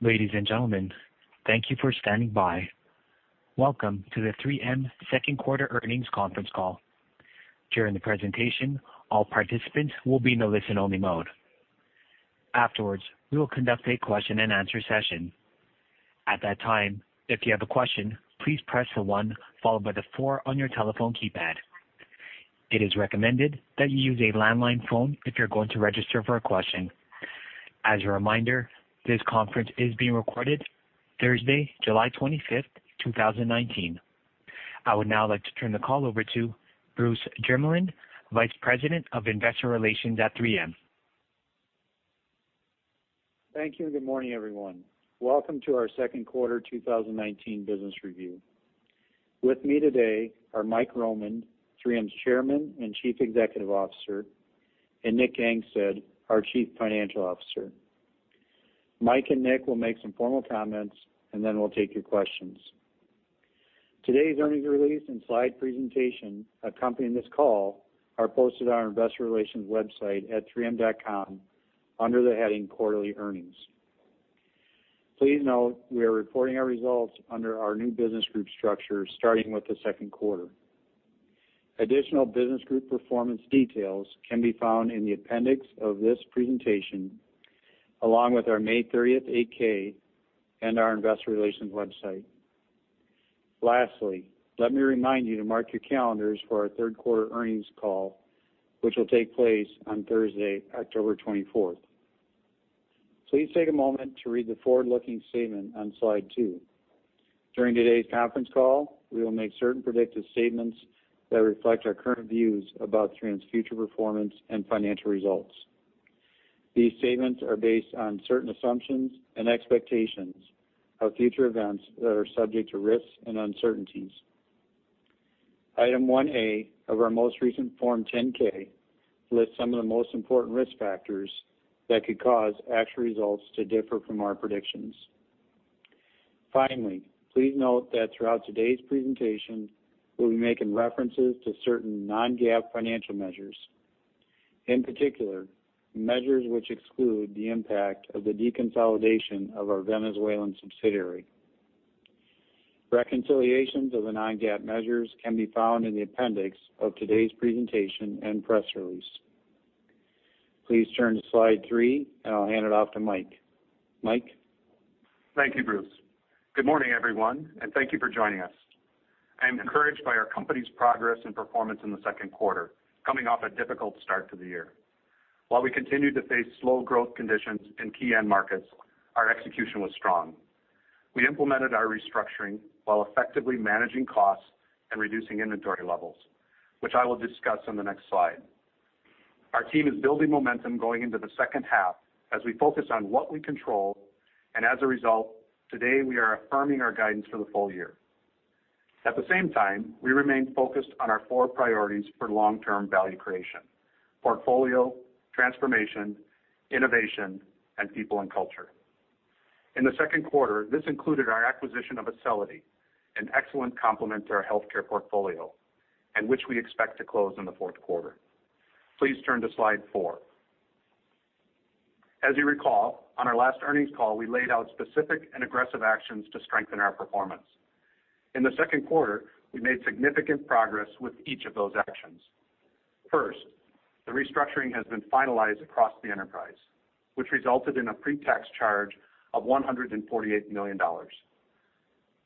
Ladies and gentlemen, thank you for standing by. Welcome to the 3M second quarter earnings conference call. During the presentation, all participants will be in the listen-only mode. Afterwards, we will conduct a question-and-answer session. At that time, if you have a question, please press the one followed by the four on your telephone keypad. It is recommended that you use a landline phone if you're going to register for a question. As a reminder, this conference is being recorded Thursday, July 25th, 2019. I would now like to turn the call over to Bruce Jermeland, Vice President of Investor Relations at 3M. Thank you and good morning, everyone. Welcome to our second quarter 2019 business review. With me today are Mike Roman, 3M's Chairman and Chief Executive Officer, and Nick Gangestad, our Chief Financial Officer. Mike and Nick will make some formal comments, and then we'll take your questions. Today's earnings release and slide presentation accompanying this call are posted on our investor relations website at 3m.com under the heading Quarterly Earnings. Please note we are reporting our results under our new business group structure starting with the second quarter. Additional business group performance details can be found in the appendix of this presentation, along with our May 30th 8-K and our investor relations website. Lastly, let me remind you to mark your calendars for our third quarter earnings call, which will take place on Thursday, October 24th. Please take a moment to read the forward-looking statement on slide two. During today's conference call, we will make certain predictive statements that reflect our current views about 3M's future performance and financial results. These statements are based on certain assumptions and expectations of future events that are subject to risks and uncertainties. Item 1A of our most recent Form 10-K lists some of the most important risk factors that could cause actual results to differ from our predictions. Finally, please note that throughout today's presentation, we'll be making references to certain non-GAAP financial measures, in particular, measures which exclude the impact of the deconsolidation of our Venezuelan subsidiary. Reconciliations of the non-GAAP measures can be found in the appendix of today's presentation and press release. Please turn to slide three, and I'll hand it off to Mike. Mike? Thank you, Bruce. Good morning, everyone, and thank you for joining us. I am encouraged by our company's progress and performance in the second quarter, coming off a difficult start to the year. While we continued to face slow growth conditions in key end markets, our execution was strong. We implemented our restructuring while effectively managing costs and reducing inventory levels, which I will discuss on the next slide. Our team is building momentum going into the second half as we focus on what we control, and as a result, today we are affirming our guidance for the full year. At the same time, we remain focused on our four priorities for long-term value creation: portfolio, transformation, innovation, and people and culture. In the second quarter, this included our acquisition of Acelity, an excellent complement to our Healthcare portfolio, and which we expect to close in the fourth quarter. Please turn to slide four. As you recall, on our last earnings call, we laid out specific and aggressive actions to strengthen our performance. In the second quarter, we made significant progress with each of those actions. First, the restructuring has been finalized across the enterprise, which resulted in a pre-tax charge of $148 million.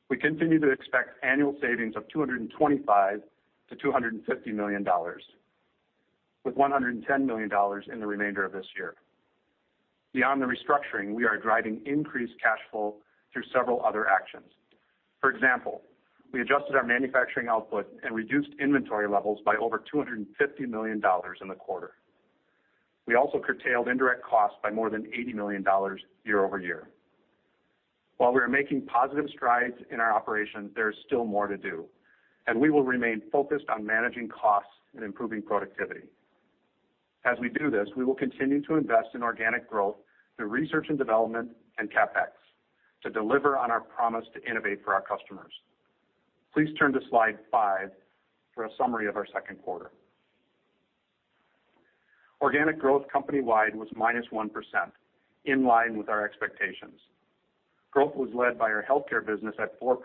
We continue to expect annual savings of $225 million-$250 million, with $110 million in the remainder of this year. Beyond the restructuring, we are driving increased cash flow through several other actions. For example, we adjusted our manufacturing output and reduced inventory levels by over $250 million in the quarter. We also curtailed indirect costs by more than $80 million year-over-year. While we are making positive strides in our operations, there is still more to do, and we will remain focused on managing costs and improving productivity. As we do this, we will continue to invest in organic growth through research and development and CapEx to deliver on our promise to innovate for our customers. Please turn to slide five for a summary of our second quarter. Organic growth company-wide was -1%, in line with our expectations. Growth was led by our Healthcare business at 4%,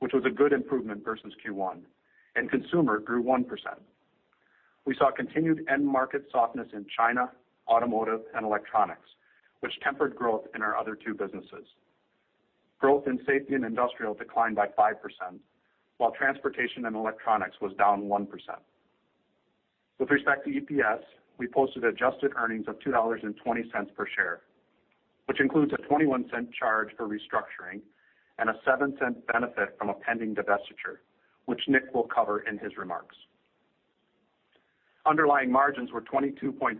which was a good improvement versus Q1, and Consumer grew 1%. We saw continued end market softness in China, automotive, and electronics, which tempered growth in our other two businesses. Growth in Safety and Industrial declined by 5%, while Transportation and Electronics was down 1%. With respect to EPS, we posted adjusted earnings of $2.20 per share, which includes a $0.21 charge for restructuring and a $0.07 benefit from a pending divestiture, which Nick will cover in his remarks. Underlying margins were 22.2%,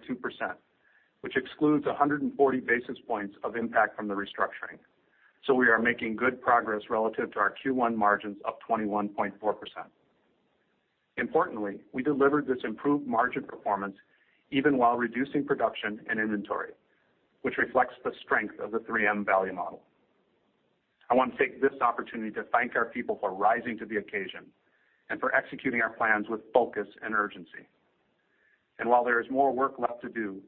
which excludes 140 basis points of impact from the restructuring. We are making good progress relative to our Q1 margins up 21.4%. Importantly, we delivered this improved margin performance even while reducing production and inventory, which reflects the strength of the 3M value model. I want to take this opportunity to thank our people for rising to the occasion and for executing our plans with focus and urgency. While there is more work left to do,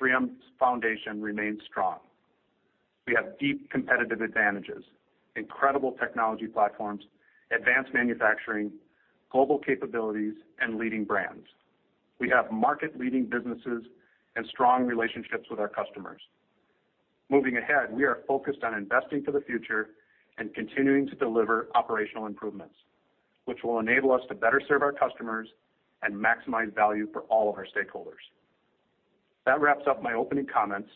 3M's foundation remains strong. We have deep competitive advantages, incredible technology platforms, advanced manufacturing, global capabilities, and leading brands. We have market-leading businesses and strong relationships with our customers. Moving ahead, we are focused on investing for the future and continuing to deliver operational improvements, which will enable us to better serve our customers and maximize value for all of our stakeholders. That wraps up my opening comments.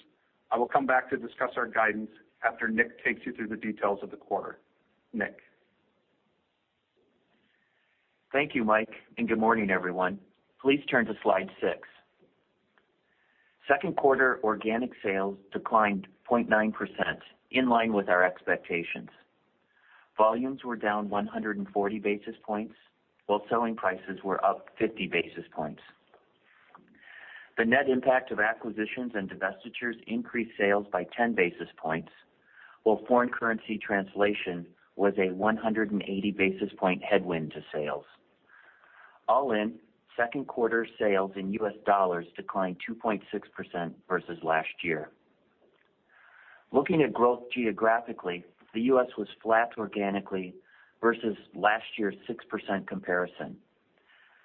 I will come back to discuss our guidance after Nick takes you through the details of the quarter. Nick? Thank you, Mike, and good morning, everyone. Please turn to Slide 6. Second quarter organic sales declined 0.9%, in line with our expectations. Volumes were down 140 basis points, while selling prices were up 50 basis points. The net impact of acquisitions and divestitures increased sales by 10 basis points, while foreign currency translation was a 180 basis point headwind to sales. All in, second quarter sales in U.S. dollars declined 2.6% versus last year. Looking at growth geographically, the U.S. was flat organically versus last year's 6% comparison.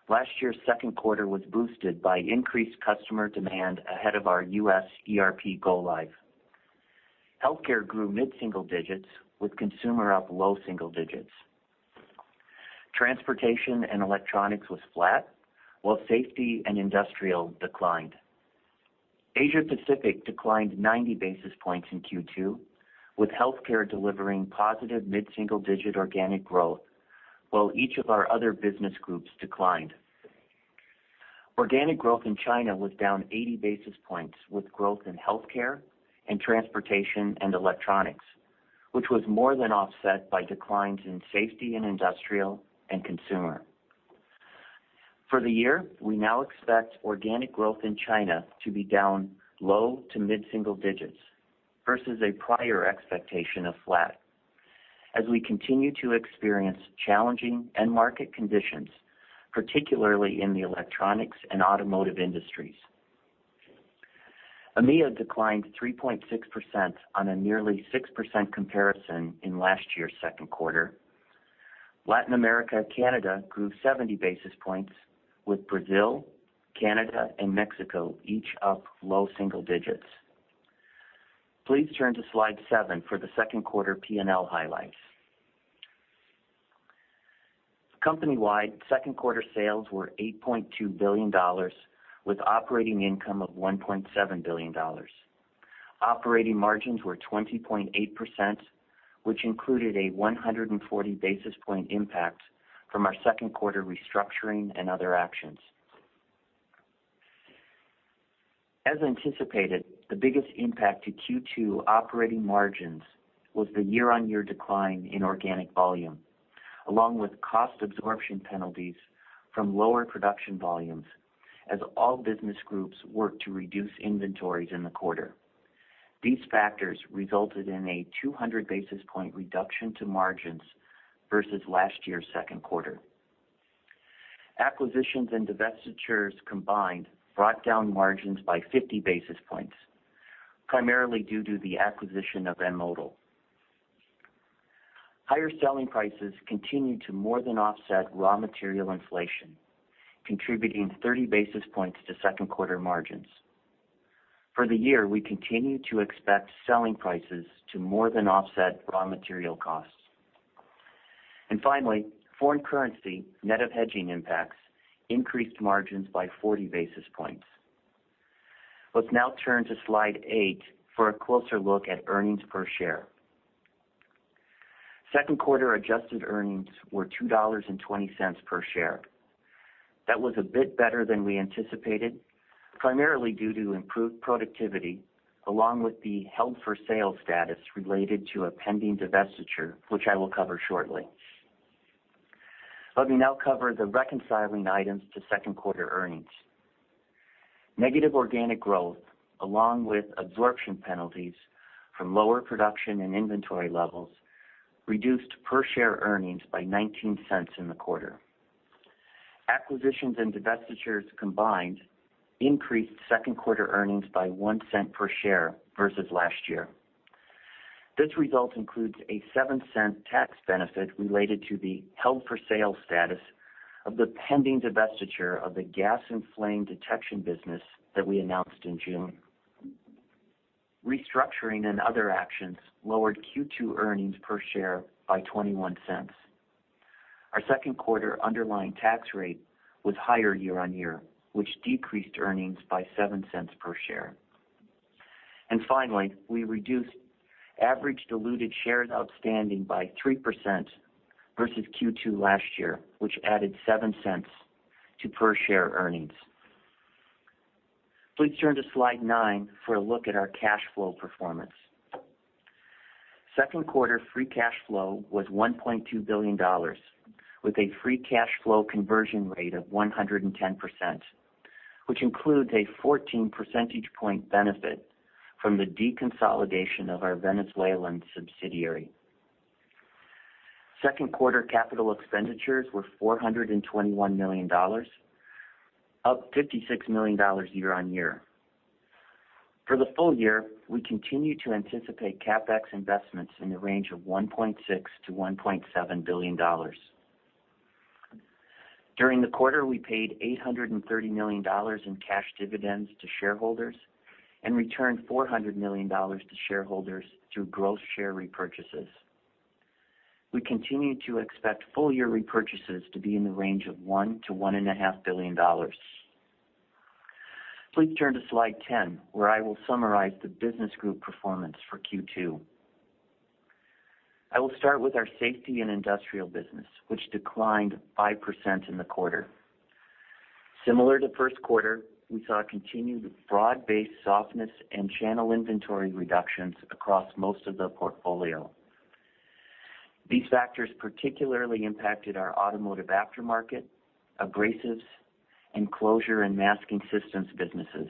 Last year's second quarter was boosted by increased customer demand ahead of our U.S. ERP go-live. Healthcare grew mid-single digits, with Consumer up low single digits. Transportation and Electronics was flat, while Safety and Industrial declined. Asia Pacific declined 90 basis points in Q2, with Healthcare delivering positive mid-single-digit organic growth, while each of our other business groups declined. Organic growth in China was down 80 basis points, with growth in Healthcare and Transportation and Electronics, which was more than offset by declines in Safety and Industrial and Consumer. For the year, we now expect organic growth in China to be down low to mid-single digits versus a prior expectation of flat as we continue to experience challenging end market conditions, particularly in the electronics and automotive industries. EMEA declined 3.6% on a nearly 6% comparison in last year's second quarter. Latin America/Canada grew 70 basis points, with Brazil, Canada, and Mexico each up low single digits. Please turn to Slide seven for the second quarter P&L highlights. Company-wide second quarter sales were $8.2 billion, with operating income of $1.7 billion. Operating margins were 20.8%, which included a 140 basis point impact from our second quarter restructuring and other actions. As anticipated, the biggest impact to Q2 operating margins was the year-on-year decline in organic volume, along with cost absorption penalties from lower production volumes as all Business Groups worked to reduce inventories in the quarter. These factors resulted in a 200 basis point reduction to margins versus last year's second quarter. Acquisitions and divestitures combined brought down margins by 50 basis points, primarily due to the acquisition of M*Modal. Higher selling prices continued to more than offset raw material inflation, contributing 30 basis points to second quarter margins. For the year, we continue to expect selling prices to more than offset raw material costs. Finally, foreign currency, net of hedging impacts, increased margins by 40 basis points. Let's now turn to Slide 8 for a closer look at earnings per share. Second quarter adjusted earnings were $2.20 per share. That was a bit better than we anticipated, primarily due to improved productivity, along with the held-for-sale status related to a pending divestiture, which I will cover shortly. Let me now cover the reconciling items to second quarter earnings. Negative organic growth, along with absorption penalties from lower production and inventory levels, reduced per share earnings by $0.19 in the quarter. Acquisitions and divestitures combined increased second quarter earnings by $0.01 per share versus last year. This result includes a $0.07 tax benefit related to the held-for-sale status of the pending divestiture of the gas and flame detection business that we announced in June. Restructuring and other actions lowered Q2 earnings per share by $0.21. Our second quarter underlying tax rate was higher year-over-year, which decreased earnings by $0.07 per share. Finally, we reduced average diluted shares outstanding by 3% versus Q2 last year, which added $0.07 to per share earnings. Please turn to Slide nine for a look at our cash flow performance. Second quarter free cash flow was $1.2 billion, with a free cash flow conversion rate of 110%. Which includes a 14 percentage point benefit from the deconsolidation of our Venezuelan subsidiary. Second quarter capital expenditures were $421 million, up $56 million year-over-year. For the full year, we continue to anticipate CapEx investments in the range of $1.6 billion-$1.7 billion. During the quarter, we paid $830 million in cash dividends to shareholders and returned $400 million to shareholders through gross share repurchases. We continue to expect full-year repurchases to be in the range of $1 billion-$1.5 billion. Please turn to Slide 10, where I will summarize the business group performance for Q2. I will start with our Safety and Industrial business, which declined 5% in the quarter. Similar to the first quarter, we saw continued broad-based softness and channel inventory reductions across most of the portfolio. These factors particularly impacted our automotive aftermarket, abrasives, and closure and masking systems businesses.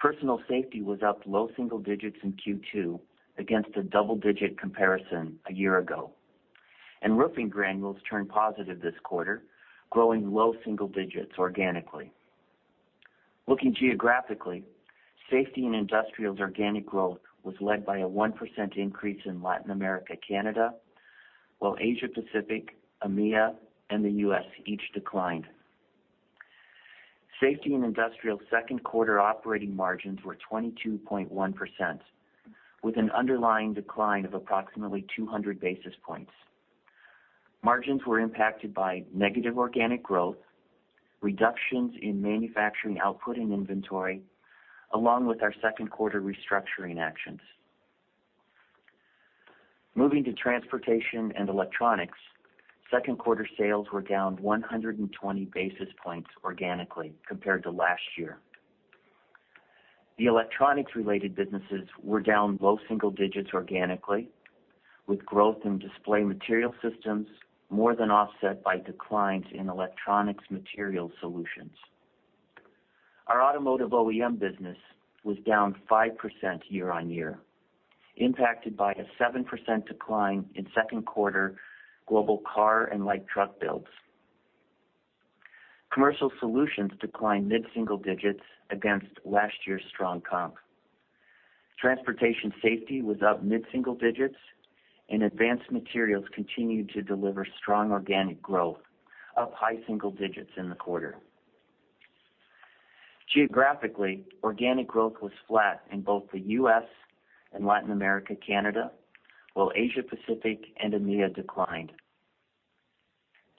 Personal safety was up low single digits in Q2 against a double-digit comparison a year ago. Roofing granules turned positive this quarter, growing low single digits organically. Looking geographically, Safety and Industrial's organic growth was led by a 1% increase in Latin America, Canada, while Asia Pacific, EMEA, and the U.S. each declined. Safety and Industrial second quarter operating margins were 22.1%, with an underlying decline of approximately 200 basis points. Margins were impacted by negative organic growth, reductions in manufacturing output and inventory, along with our second quarter restructuring actions. Moving to Transportation and Electronics, second quarter sales were down 120 basis points organically compared to last year. The electronics-related businesses were down low single digits organically, with growth in display materials and systems more than offset by declines in Electronic Materials Solutions. Our automotive OEM business was down 5% year-on-year, impacted by a 7% decline in second quarter global car and light truck builds. Commercial solutions declined mid-single digits against last year's strong comp. Transportation safety was up mid-single digits, and advanced materials continued to deliver strong organic growth, up high single digits in the quarter. Geographically, organic growth was flat in both the U.S. and Latin America, Canada, while Asia Pacific and EMEA declined.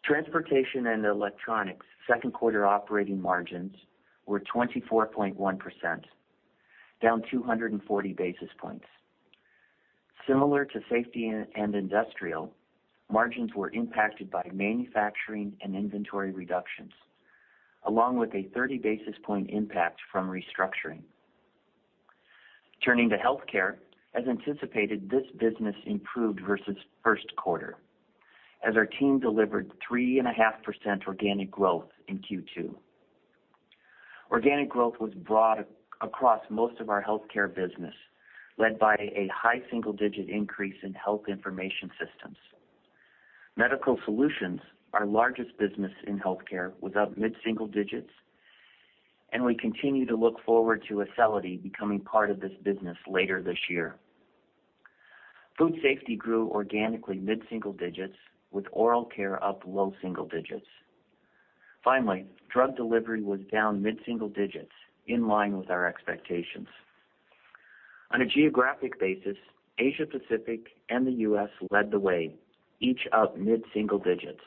Transportation and Electronics second quarter operating margins were 24.1%, down 240 basis points. Similar to Safety and Industrial, margins were impacted by manufacturing and inventory reductions, along with a 30 basis point impact from restructuring. Turning to Healthcare, as anticipated, this business improved versus first quarter, as our team delivered 3.5% organic growth in Q2. Organic growth was broad across most of our Healthcare business, led by a high single-digit increase in health information systems. medical solutions, our largest business in Healthcare, was up mid-single digits, and we continue to look forward to Acelity becoming part of this business later this year. food safety grew organically mid-single digits, with oral care up low single digits. Finally, drug delivery was down mid-single digits, in line with our expectations. On a geographic basis, Asia Pacific and the U.S. led the way, each up mid-single digits.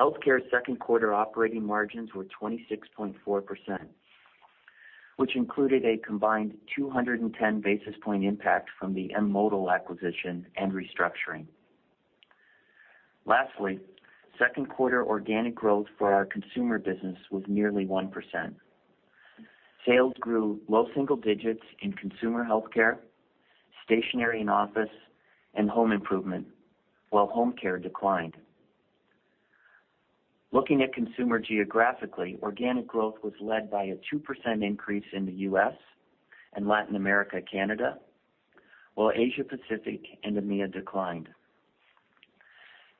Healthcare second quarter operating margins were 26.4%, which included a combined 210 basis point impact from the M*Modal acquisition and restructuring. Lastly, second quarter organic growth for our Consumer business was nearly 1%. Sales grew low single digits in consumer health care, stationery and office, and home improvement, while home care declined. Looking at Consumer geographically, organic growth was led by a 2% increase in the U.S. and Latin America, Canada, while Asia Pacific and EMEA declined.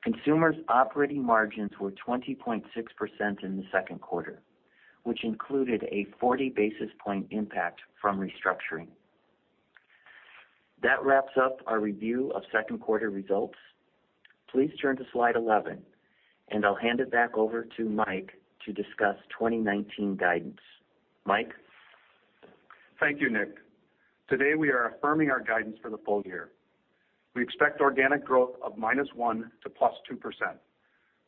Consumer's operating margins were 20.6% in the second quarter, which included a 40 basis point impact from restructuring. That wraps up our review of second quarter results. Please turn to Slide 11, and I'll hand it back over to Mike to discuss 2019 guidance. Mike? Thank you, Nick. Today, we are affirming our guidance for the full year. We expect organic growth of -1% to +2%,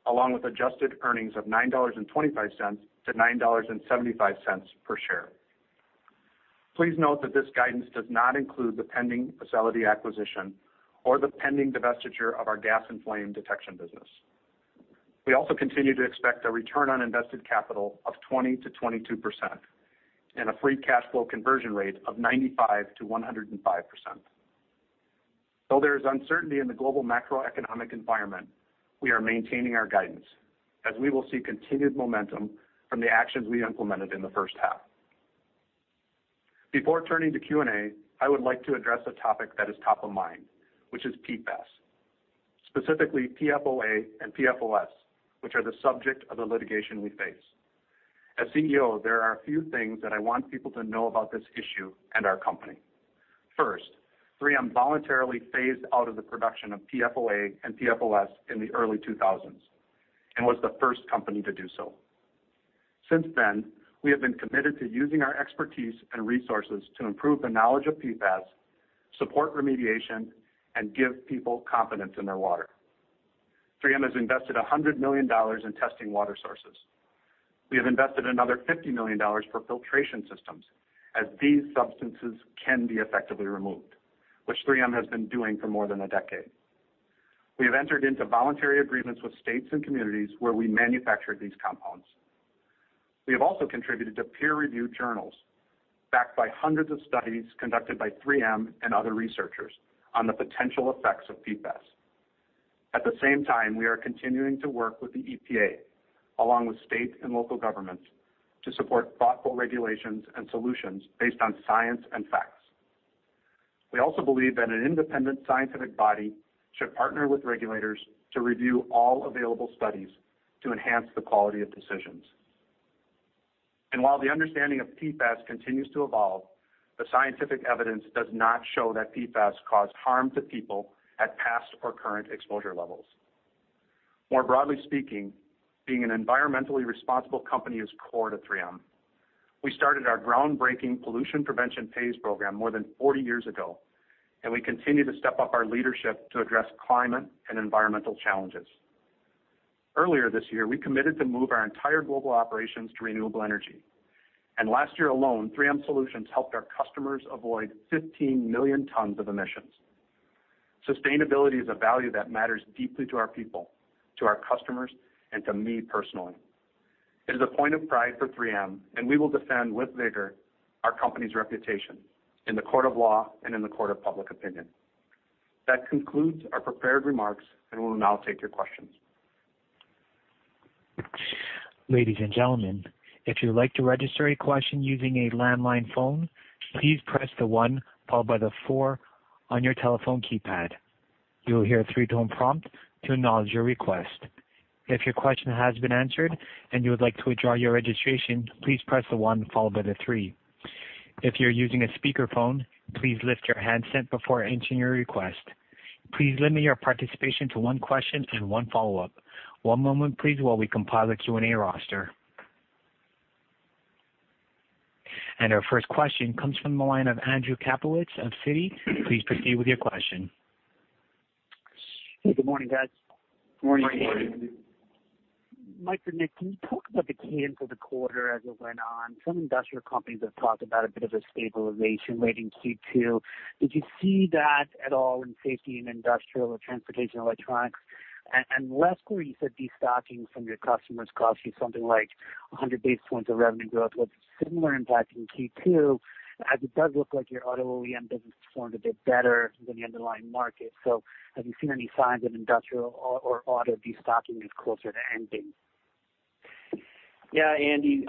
along with adjusted earnings of $9.25 to $9.75 per share. Please note that this guidance does not include the pending Acelity acquisition or the pending divestiture of our gas and flame detection business. We also continue to expect a return on invested capital of 20%-22% and a free cash flow conversion rate of 95%-105%. There is uncertainty in the global macroeconomic environment, we are maintaining our guidance, as we will see continued momentum from the actions we implemented in the first half. Before turning to Q&A, I would like to address a topic that is top of mind, which is PFAS, specifically PFOA and PFOS, which are the subject of the litigation we face. As CEO, there are a few things that I want people to know about this issue and our company. First, 3M voluntarily phased out of the production of PFOA and PFOS in the early 2000s, and was the first company to do so. Since then, we have been committed to using our expertise and resources to improve the knowledge of PFAS, support remediation, and give people confidence in their water. 3M has invested $100 million in testing water sources. We have invested another $50 million for filtration systems, as these substances can be effectively removed, which 3M has been doing for more than a decade. We have entered into voluntary agreements with states and communities where we manufactured these compounds. We have also contributed to peer-reviewed journals, backed by hundreds of studies conducted by 3M and other researchers on the potential effects of PFAS. At the same time, we are continuing to work with the EPA, along with state and local governments, to support thoughtful regulations and solutions based on science and facts. We also believe that an independent scientific body should partner with regulators to review all available studies to enhance the quality of decisions. While the understanding of PFAS continues to evolve, the scientific evidence does not show that PFAS caused harm to people at past or current exposure levels. More broadly speaking, being an environmentally responsible company is core to 3M. We started our groundbreaking Pollution Prevention Pays program more than 40 years ago, and we continue to step up our leadership to address climate and environmental challenges. Earlier this year, we committed to move our entire global operations to renewable energy. Last year alone, 3M solutions helped our customers avoid 15 million tons of emissions. Sustainability is a value that matters deeply to our people, to our customers, and to me personally. It is a point of pride for 3M, and we will defend with vigor our company's reputation in the court of law and in the court of public opinion. That concludes our prepared remarks, and we'll now take your questions. Ladies and gentlemen, if you'd like to register a question using a landline phone, please press the one followed by the four on your telephone keypad. You will hear a three-tone prompt to acknowledge your request. If your question has been answered and you would like to withdraw your registration, please press the one followed by the three. If you're using a speakerphone, please lift your handset before entering your request. Please limit your participation to one question and one follow-up. One moment, please, while we compile a Q&A roster. Our first question comes from the line of Andrew Kaplowitz of Citi. Please proceed with your question. Good morning, guys. Morning, Andy. Mike and Nick, can you talk about the key into the quarter as it went on? Some industrial companies have talked about a bit of a stabilization rate in Q2. Did you see that at all in Safety and Industrial or Transportation and Electronics? Last quarter, you said destocking from your customers cost you something like 100 basis points of revenue growth. Was a similar impact in Q2, as it does look like your auto OEM business performed a bit better than the underlying market. Have you seen any signs of industrial or auto destocking is closer to ending? Yeah, Andy.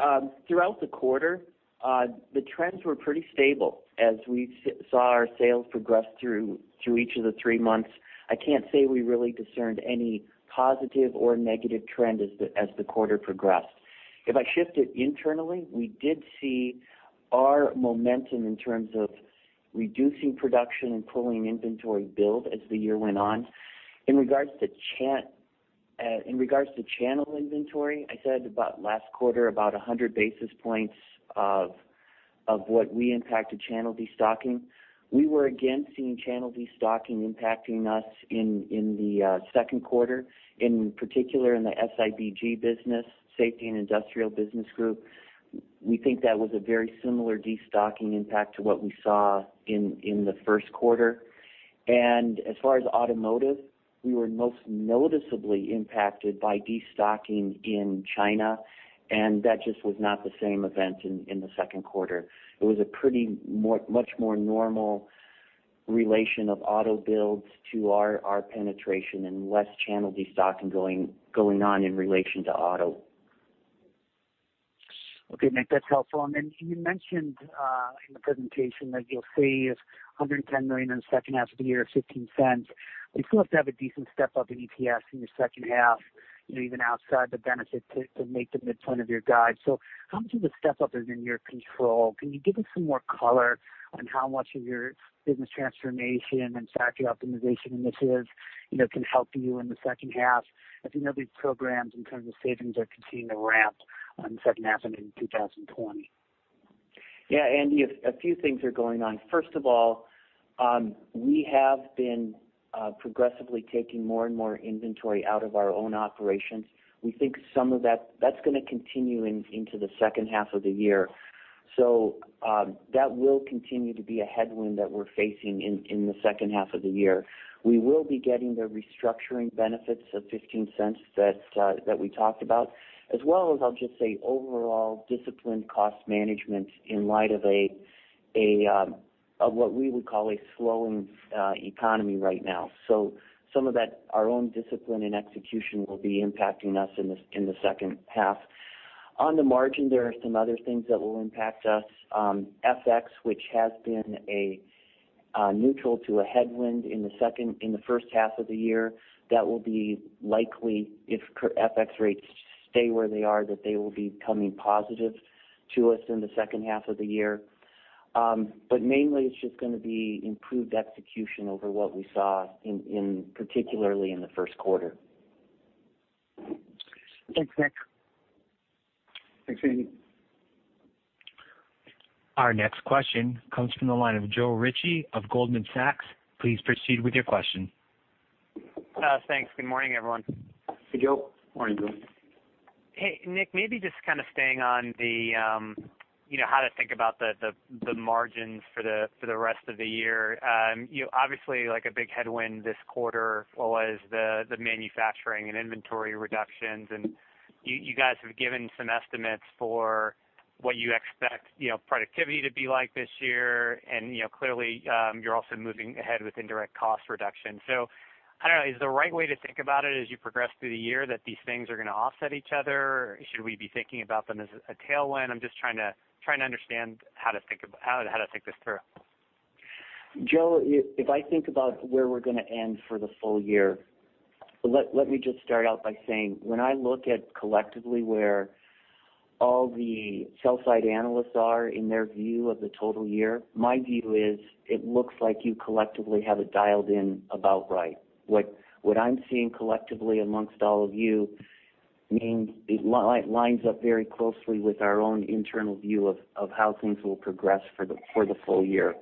Throughout the quarter, the trends were pretty stable as we saw our sales progress through each of the three months. I can't say we really discerned any positive or negative trend as the quarter progressed. If I shift it internally, we did see our momentum in terms of reducing production and pulling inventory build as the year went on. In regards to channel inventory, I said about last quarter, about 100 basis points of what we impacted channel destocking. We were again seeing channel destocking impacting us in the second quarter, in particular in the SIBG business, Safety and Industrial Business Group. We think that was a very similar destocking impact to what we saw in the first quarter. As far as automotive, we were most noticeably impacted by destocking in China, and that just was not the same event in the second quarter. It was a pretty much more normal relation of auto builds to our penetration and less channel destocking going on in relation to auto. Okay, Nick, that's helpful. You mentioned in the presentation that you'll save $110 million in the second half of the year of $0.15. You still have to have a decent step-up in EPS in your second half, even outside the benefit to make the midpoint of your guide. How much of the step-up is in your control? Can you give us some more color on how much of your business transformation and factory optimization initiatives can help you in the second half? I think these programs in terms of savings are continuing to ramp on the second half and into 2020. Andy, a few things are going on. First of all, we have been progressively taking more and more inventory out of our own operations. That will continue to be a headwind that we're facing in the second half of the year. We will be getting the restructuring benefits of $0.15 that we talked about, as well as I'll just say overall disciplined cost management in light of what we would call a slowing economy right now. Some of our own discipline and execution will be impacting us in the second half. On the margin, there are some other things that will impact us. FX, which has been a neutral to a headwind in the first half of the year, that will be likely, if FX rates stay where they are, that they will be coming positive to us in the second half of the year. Mainly, it's just going to be improved execution over what we saw particularly in the first quarter. Thanks, Nick. Thanks, Andy. Our next question comes from the line of Joe Ritchie of Goldman Sachs. Please proceed with your question. Thanks. Good morning, everyone. Hey, Joe. Morning, Joe. Hey, Nick, maybe just kind of staying on the how to think about the margins for the rest of the year. Obviously, a big headwind this quarter was the manufacturing and inventory reductions, and you guys have given some estimates for what you expect productivity to be like this year, and clearly, you're also moving ahead with indirect cost reduction. I don't know, is the right way to think about it as you progress through the year that these things are going to offset each other? Should we be thinking about them as a tailwind? I'm just trying to understand how to think this through. Joe, if I think about where we're going to end for the full year, let me just start out by saying, when I look at collectively where all the sell side analysts are in their view of the total year, my view is it looks like you collectively have it dialed in about right. What I'm seeing collectively amongst all of you means it lines up very closely with our own internal view of how things will progress for the full year.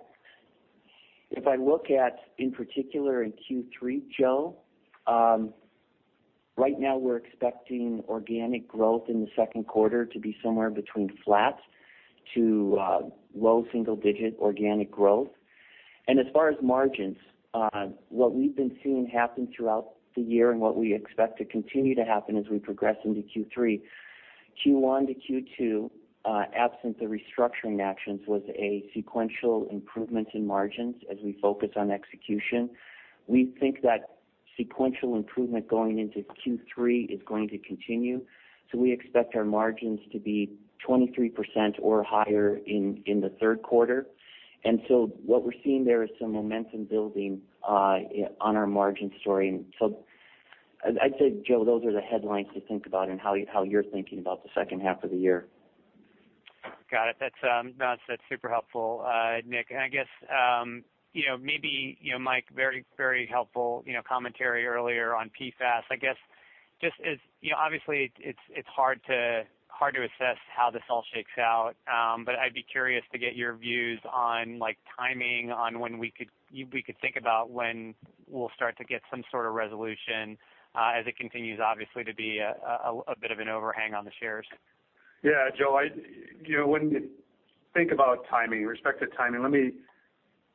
If I look at, in particular, in Q3, Joe, right now we're expecting organic growth in the second quarter to be somewhere between flat to low single digit organic growth. As far as margins, what we've been seeing happen throughout the year and what we expect to continue to happen as we progress into Q3, Q1 to Q2, absent the restructuring actions, was a sequential improvement in margins as we focus on execution. We think that sequential improvement going into Q3 is going to continue, so we expect our margins to be 23% or higher in the third quarter. What we're seeing there is some momentum building on our margin story. I'd say, Joe, those are the headlines to think about and how you're thinking about the second half of the year. Got it. That's super helpful, Nick. I guess, maybe Mike, very helpful commentary earlier on PFAS. I guess, obviously, it's hard to assess how this all shakes out. I'd be curious to get your views on timing on when we could think about when we'll start to get some sort of resolution as it continues, obviously, to be a bit of an overhang on the shares. Yeah. Joe, when you think about timing, in respect to timing, let me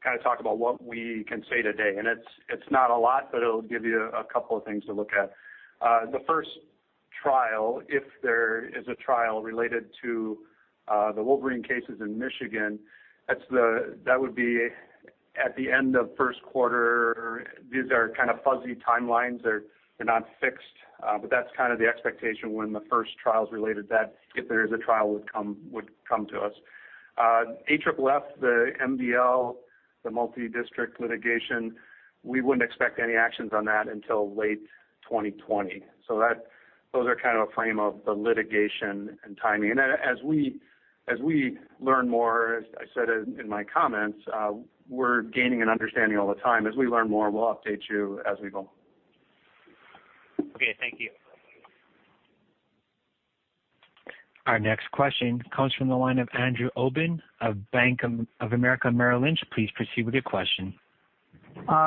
kind of talk about what we can say today, and it's not a lot, but it'll give you a couple of things to look at. The first trial, if there is a trial related to the Wolverine cases in Michigan, that would be at the end of first quarter. These are kind of fuzzy timelines. They're not fixed. That's kind of the expectation when the first trials related to that, if there is a trial, would come to us. AFFF, the MDL, the multi-district litigation, we wouldn't expect any actions on that until late 2020. Those are kind of a frame of the litigation and timing. As we learn more, as I said in my comments, we're gaining an understanding all the time. As we learn more, we'll update you as we go. Okay. Thank you. Our next question comes from the line of Andrew Obin of Bank of America, Merrill Lynch. Please proceed with your question.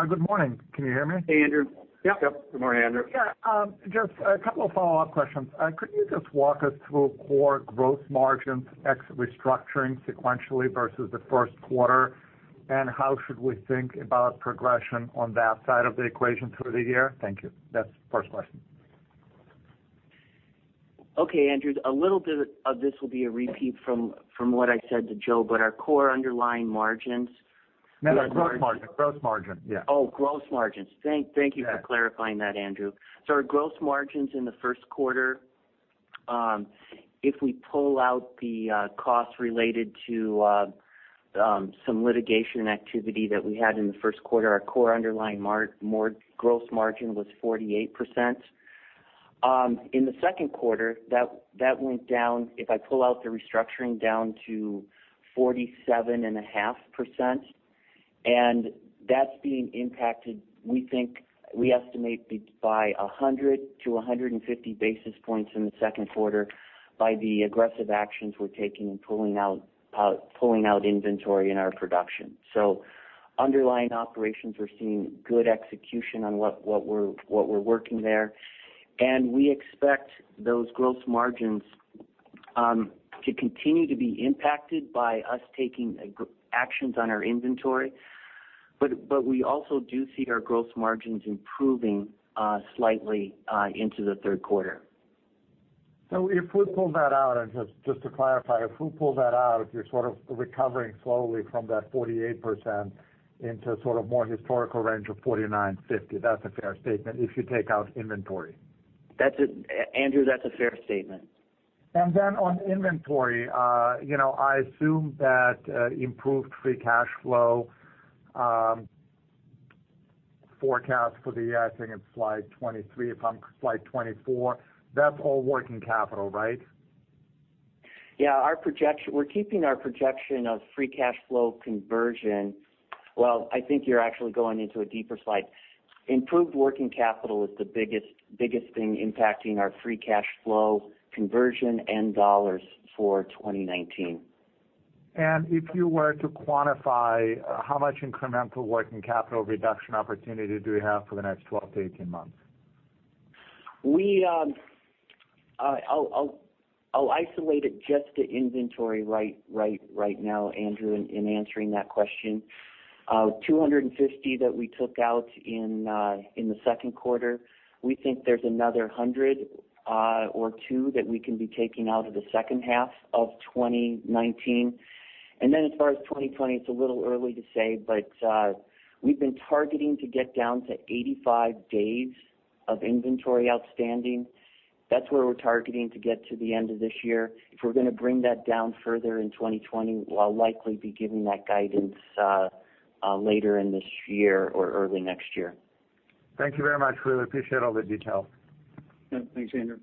Good morning. Can you hear me? Hey, Andrew. Yep. Yep. Good morning, Andrew. Yeah. Just a couple of follow-up questions. Could you just walk us through core growth margins ex restructuring sequentially versus the first quarter? How should we think about progression on that side of the equation through the year? Thank you. That's the first question. Okay, Andrew, a little bit of this will be a repeat from what I said to Joe, but our core underlying margins. No, gross margin. Gross margin, yeah. Oh, gross margins. Thank you for clarifying that, Andrew. Our gross margins in the first quarter, if we pull out the costs related to some litigation activity that we had in the first quarter, our core underlying gross margin was 48%. In the second quarter, that went down, if I pull out the restructuring, down to 47.5%. That's being impacted, we estimate, by 100 to 150 basis points in the second quarter by the aggressive actions we're taking in pulling out inventory in our production. Underlying operations, we're seeing good execution on what we're working there, and we expect those gross margins to continue to be impacted by us taking actions on our inventory. We also do see our gross margins improving slightly into the third quarter. If we pull that out, and just to clarify, if we pull that out, if you're sort of recovering slowly from that 48% into sort of more historical range of 49%, 50%, that's a fair statement if you take out inventory. Andrew, that's a fair statement. On inventory, I assume that improved free cash flow forecast for the year, I think it's slide 23, slide 24, that's all working capital, right? Yeah. We're keeping our projection of free cash flow conversion. Well, I think you're actually going into a deeper slide. Improved working capital is the biggest thing impacting our free cash flow conversion and U.S. dollars for 2019. If you were to quantify how much incremental working capital reduction opportunity do we have for the next 12 to 18 months? I'll isolate it just to inventory right now, Andrew, in answering that question. 250 that we took out in the second quarter, we think there's another 100 or two that we can be taking out of the second half of 2019. As far as 2020, it's a little early to say, but we've been targeting to get down to 85 days of inventory outstanding. That's where we're targeting to get to the end of this year. If we're going to bring that down further in 2020, I'll likely be giving that guidance later in this year or early next year. Thank you very much. Really appreciate all the detail. Yeah. Thanks, Andrew.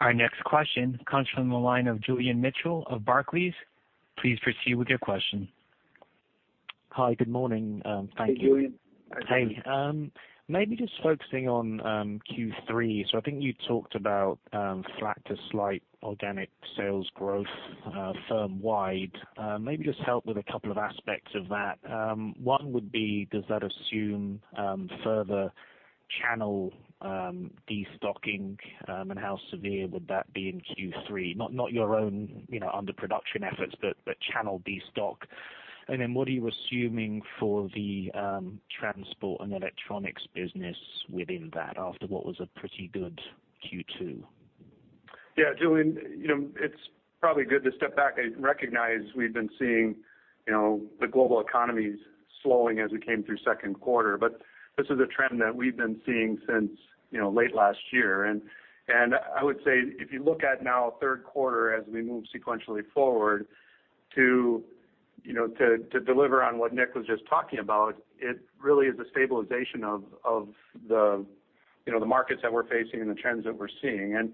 Our next question comes from the line of Julian Mitchell of Barclays. Please proceed with your question. Hi. Good morning. Thank you. Hey, Julian. Hey. Maybe just focusing on Q3. I think you talked about flat to slight organic sales growth firm wide. Maybe just help with a couple of aspects of that. One would be, does that assume further channel destocking? How severe would that be in Q3? Not your own underproduction efforts, but channel destock. Then what are you assuming for the Transportation and Electronics business within that, after what was a pretty good Q2? Yeah, Julian, it's probably good to step back and recognize we've been seeing the global economy slowing as we came through second quarter, but this is a trend that we've been seeing since late last year. I would say if you look at now third quarter as we move sequentially forward to deliver on what Nick was just talking about, it really is a stabilization of the markets that we're facing and the trends that we're seeing.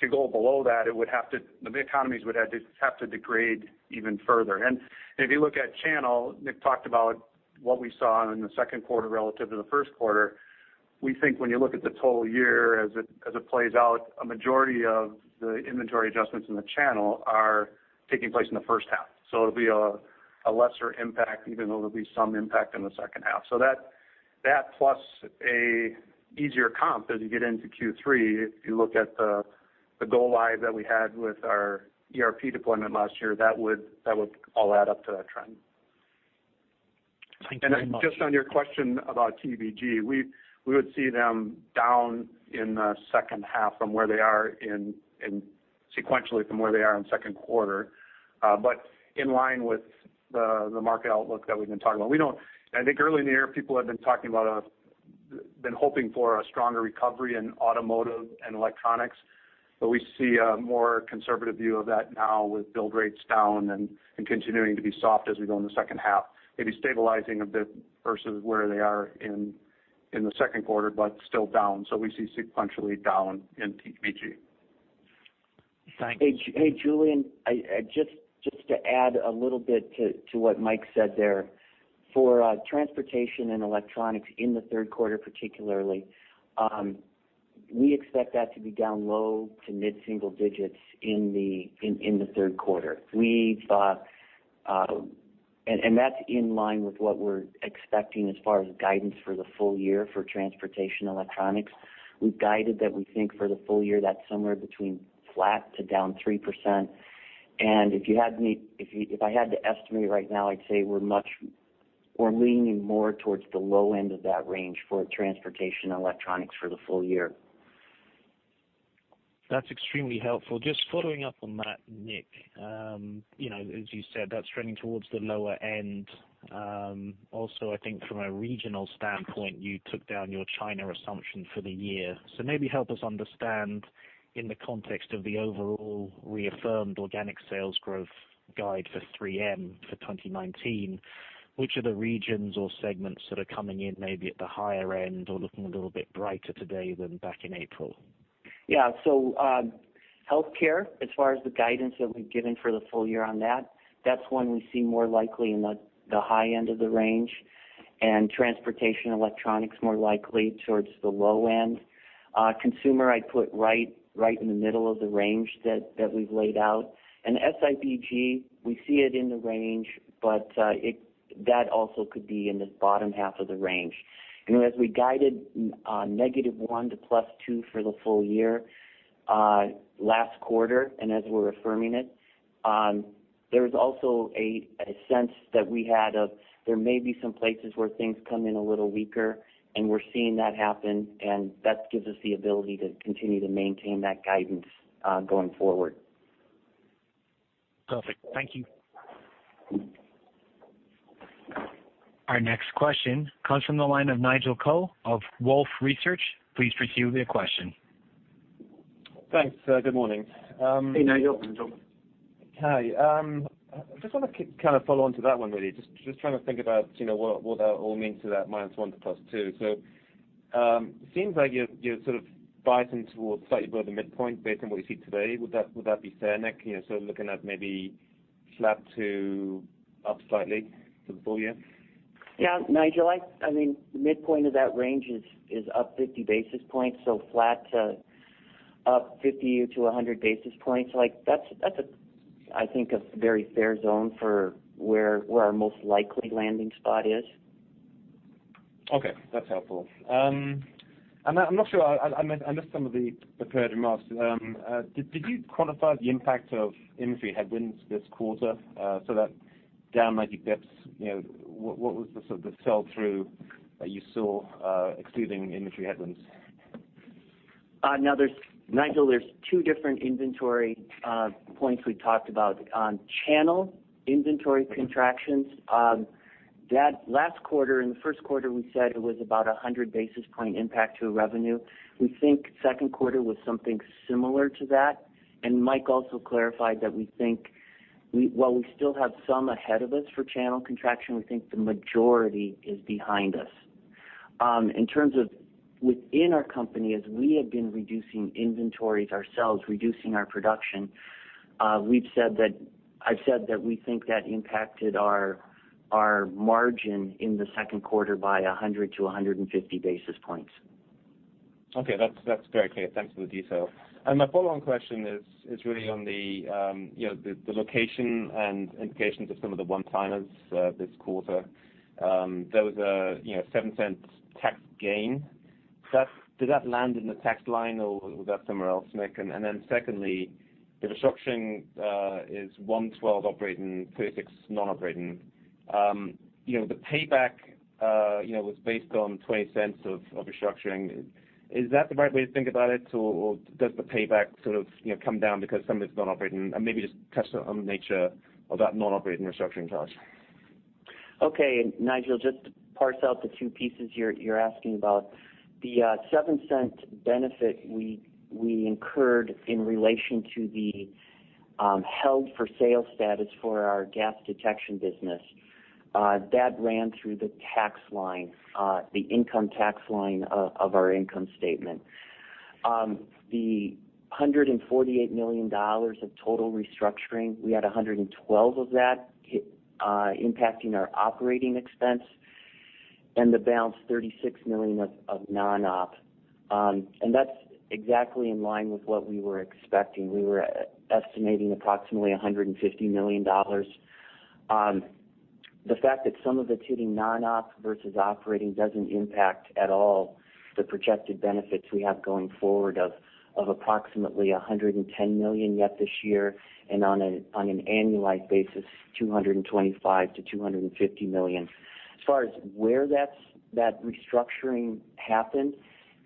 To go below that, the economies would have to degrade even further. If you look at channel, Nick talked about what we saw in the second quarter relative to the first quarter. We think when you look at the total year as it plays out, a majority of the inventory adjustments in the channel are taking place in the first half. It'll be a lesser impact, even though there'll be some impact in the second half. That plus an easier comp as you get into Q3. If you look at the go live that we had with our ERP deployment last year, that would all add up to that trend. Thank you very much. Just on your question about TEBG, we would see them down in the second half sequentially from where they are in second quarter. In line with the market outlook that we've been talking about. I think early in the year, people have been hoping for a stronger recovery in automotive and electronics, but we see a more conservative view of that now with build rates down and continuing to be soft as we go in the second half. Maybe stabilizing a bit versus where they are in the second quarter, but still down. We see sequentially down in TEBG. Thanks. Hey, Julian. Just to add a little bit to what Mike said there. For Transportation and Electronics in the third quarter, particularly, we expect that to be down low to mid-single digits in the third quarter. That's in line with what we're expecting as far as guidance for the full year for Transportation and Electronics. We've guided that we think for the full year, that's somewhere between flat to down 3%. If I had to estimate right now, I'd say we're leaning more towards the low end of that range for Transportation and Electronics for the full year. That's extremely helpful. Just following up on that, Nick. As you said, that's trending towards the lower end. Also, I think from a regional standpoint, you took down your China assumption for the year. Maybe help us understand in the context of the overall reaffirmed organic sales growth guide for 3M for 2019, which of the regions or segments that are coming in maybe at the higher end or looking a little bit brighter today than back in April? Healthcare, as far as the guidance that we've given for the full year on that's one we see more likely in the high end of the range, and Transportation and Electronics more likely towards the low end. Consumer, I'd put right in the middle of the range that we've laid out. SIBG, we see it in the range, but that also could be in the bottom half of the range. As we guided -1% to +2% for the full year last quarter, and as we're affirming it, there was also a sense that we had of there may be some places where things come in a little weaker, and we're seeing that happen, and that gives us the ability to continue to maintain that guidance going forward. Perfect. Thank you. Our next question comes from the line of Nigel Coe of Wolfe Research. Please proceed with your question. Thanks. Good morning. Hey, Nigel. Hi. I just want to kind of follow on to that one, really. Just trying to think about what that all means to that -1 to +2. It seems like you're sort of biasing towards slightly above the midpoint based on what you see today. Would that be fair, Nick? You're sort of looking at maybe flat to up slightly for the full year? Yeah. Nigel, I mean, the midpoint of that range is up 50 basis points, so flat to up 50-100 basis points. That's, I think, a very fair zone for where our most likely landing spot is. Okay, that's helpful. I'm not sure, I missed some of the prepared remarks. Did you quantify the impact of inventory headwinds this quarter? That down 90 basis points, what was the sort of the sell-through that you saw excluding inventory headwinds? Nigel, there's two different inventory points we talked about. On channel inventory contractions, last quarter and the first quarter, we said it was about 100 basis point impact to revenue. We think second quarter was something similar to that, and Mike also clarified that while we still have some ahead of us for channel contraction, we think the majority is behind us. In terms of within our company, as we have been reducing inventories ourselves, reducing our production, I've said that we think that impacted our margin in the second quarter by 100-150 basis points. Okay, that's very clear. Thanks for the detail. My follow-on question is really on the location and indications of some of the one-timers this quarter. There was a $0.07 tax gain. Did that land in the tax line or was that somewhere else, Nick? Secondly, the restructuring is $112 operating, $36 non-operating. The payback was based on $0.20 of restructuring. Is that the right way to think about it, or does the payback sort of come down because some of it's non-operating? Maybe just touch on the nature of that non-operating restructuring charge. Okay. Nigel, just to parse out the two pieces you're asking about. The $0.07 benefit we incurred in relation to the held-for-sale status for our gas detection business. That ran through the tax line, the income tax line of our income statement. The $148 million of total restructuring, we had $112 of that impacting our operating expense and the balance $36 million of non-op. That's exactly in line with what we were expecting. We were estimating approximately $150 million. The fact that some of it's hitting non-op versus operating doesn't impact at all the projected benefits we have going forward of approximately $110 million yet this year, and on an annualized basis, $225 million-$250 million. As far as where that restructuring happened,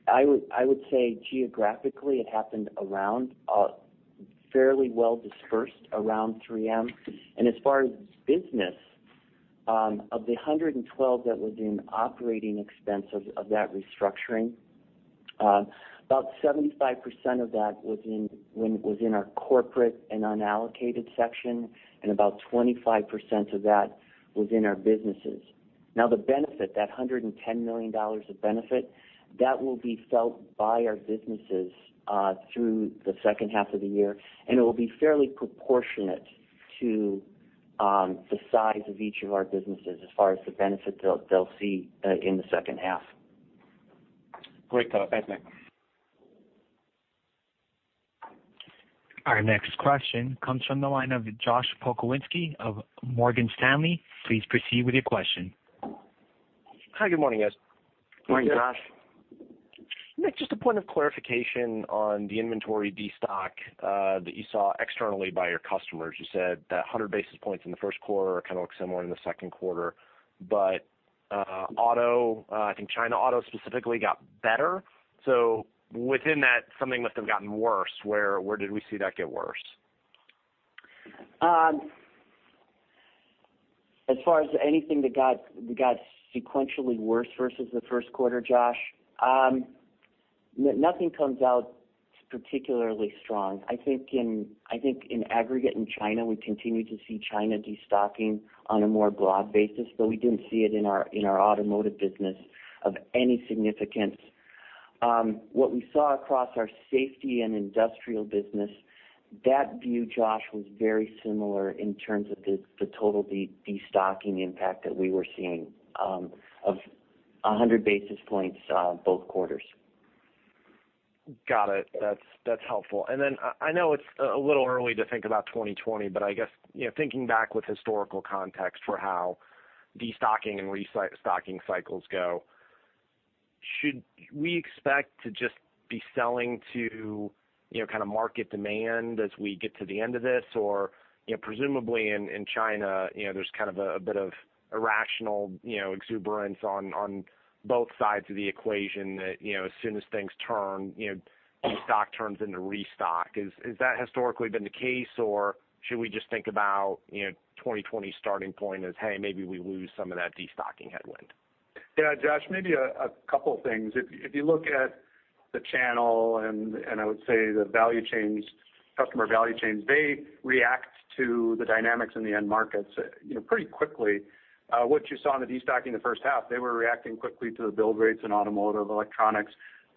I would say geographically it happened fairly well dispersed around 3M. As far as business, of the $112 that was in operating expense of that restructuring, about 75% of that was in our corporate and unallocated section, and about 25% of that was in our businesses. The benefit, that $110 million of benefit, that will be felt by our businesses through the second half of the year, and it will be fairly proportionate to the size of each of our businesses as far as the benefit they'll see in the second half. Great color. Thanks, Nick. Our next question comes from the line of Josh Pokrzywinski of Morgan Stanley. Please proceed with your question. Hi, good morning, guys. Morning, Josh. Nick, just a point of clarification on the inventory destock that you saw externally by your customers. You said that 100 basis points in the first quarter kind of looked similar in the second quarter, but auto, I think China auto specifically got better. Within that, something must have gotten worse. Where did we see that get worse? As far as anything that got sequentially worse versus the first quarter, Josh, nothing comes out particularly strong. I think in aggregate in China, we continue to see China destocking on a more broad basis, but we didn't see it in our automotive business of any significance. What we saw across our Safety and Industrial business, that view, Josh, was very similar in terms of the total destocking impact that we were seeing of 100 basis points both quarters. Got it. That's helpful. I know it's a little early to think about 2020, but I guess, thinking back with historical context for how destocking and restocking cycles go. Should we expect to just be selling to market demand as we get to the end of this? Or presumably in China, there's a bit of irrational exuberance on both sides of the equation that as soon as things turn, destock turns into restock. Has that historically been the case, or should we just think about 2020 starting point as, "Hey, maybe we lose some of that destocking headwind? Yeah, Josh, maybe a couple things. If you look at the channel and I would say the customer value chains, they react to the dynamics in the end markets pretty quickly. What you saw in the destocking the first half, they were reacting quickly to the build rates in automotive, electronics.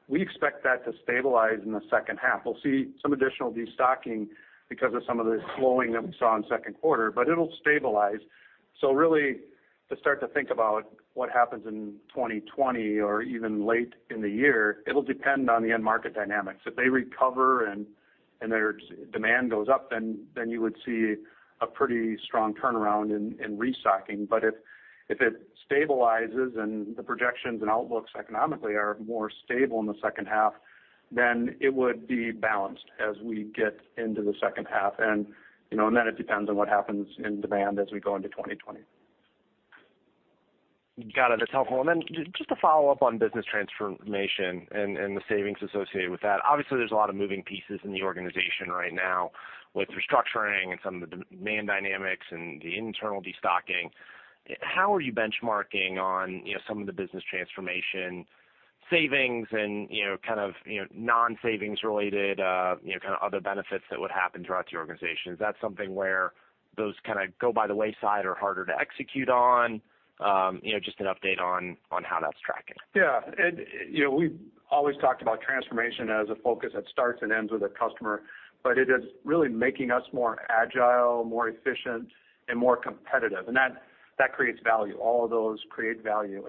We expect that to stabilize in the second half. We'll see some additional destocking because of some of the slowing that we saw in second quarter. It'll stabilize. Really to start to think about what happens in 2020 or even late in the year, it'll depend on the end market dynamics. If they recover and their demand goes up, you would see a pretty strong turnaround in restocking. If it stabilizes and the projections and outlooks economically are more stable in the second half, then it would be balanced as we get into the second half. Then it depends on what happens in demand as we go into 2020. Got it. That's helpful. Just to follow up on business transformation and the savings associated with that, obviously, there's a lot of moving pieces in the organization right now with restructuring and some of the demand dynamics and the internal destocking. How are you benchmarking on some of the business transformation savings and kind of non-savings related kind of other benefits that would happen throughout your organization? Is that something where those kind of go by the wayside or harder to execute on? Just an update on how that's tracking. We've always talked about transformation as a focus that starts and ends with a customer. It is really making us more agile, more efficient, and more competitive. That creates value. All of those create value.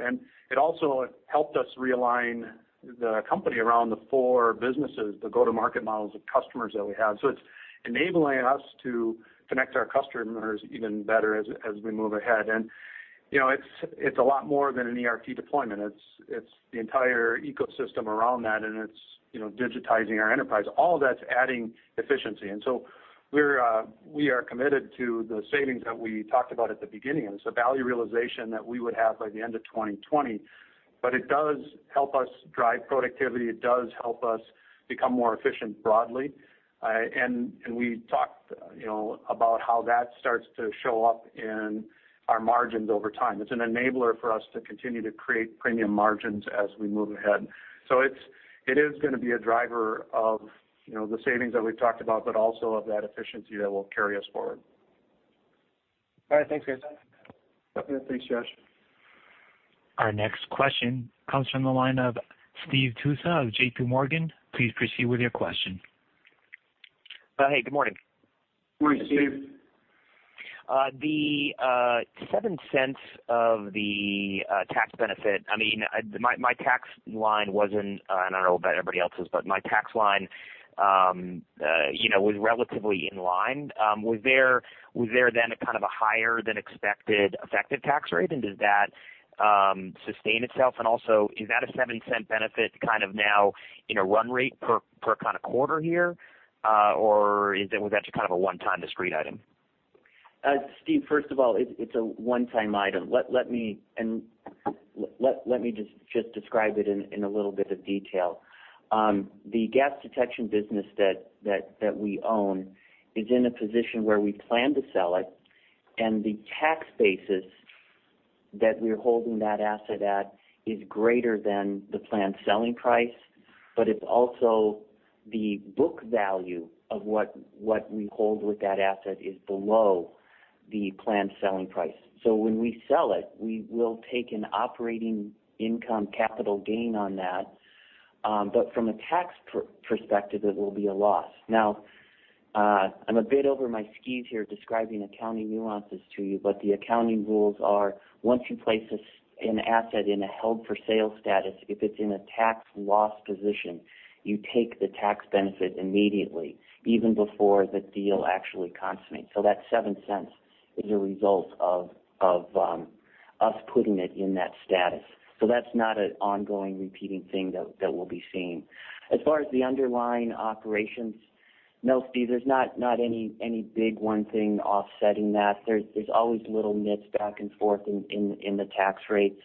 It also helped us realign the company around the four businesses, the go-to-market models of customers that we have. It's enabling us to connect our customers even better as we move ahead. It's a lot more than an ERP deployment. It's the entire ecosystem around that, and it's digitizing our enterprise. All that's adding efficiency. We are committed to the savings that we talked about at the beginning, and it's the value realization that we would have by the end of 2020. It does help us drive productivity. It does help us become more efficient broadly. We talked about how that starts to show up in our margins over time. It's an enabler for us to continue to create premium margins as we move ahead. It is going to be a driver of the savings that we've talked about, but also of that efficiency that will carry us forward. All right. Thanks, guys. Yeah. Thanks, Josh. Our next question comes from the line of Steve Tusa of JPMorgan. Please proceed with your question. Hey, good morning. Morning, Steve. The $0.07 of the tax benefit, my tax line wasn't, and I don't know about everybody else's, but my tax line was relatively in line. Was there then a kind of a higher than expected effective tax rate, and does that sustain itself? Also, is that a $0.07 benefit kind of now in a run rate per kind of quarter here? Was that just kind of a one-time discrete item? Steve, first of all, it's a one-time item. Let me just describe it in a little bit of detail. The gas detection business that we own is in a position where we plan to sell it. The tax basis that we're holding that asset at is greater than the planned selling price. It's also the book value of what we hold with that asset is below the planned selling price. When we sell it, we will take an operating income capital gain on that. From a tax perspective, it will be a loss. I'm a bit over my skis here describing accounting nuances to you. The accounting rules are once you place an asset in a held for sale status, if it's in a tax loss position, you take the tax benefit immediately, even before the deal actually consummates. That $0.07 is a result of us putting it in that status. That's not an ongoing repeating thing that we'll be seeing. As far as the underlying operations, no, Steve, there's not any big one thing offsetting that. There's always little nits back and forth in the tax rate.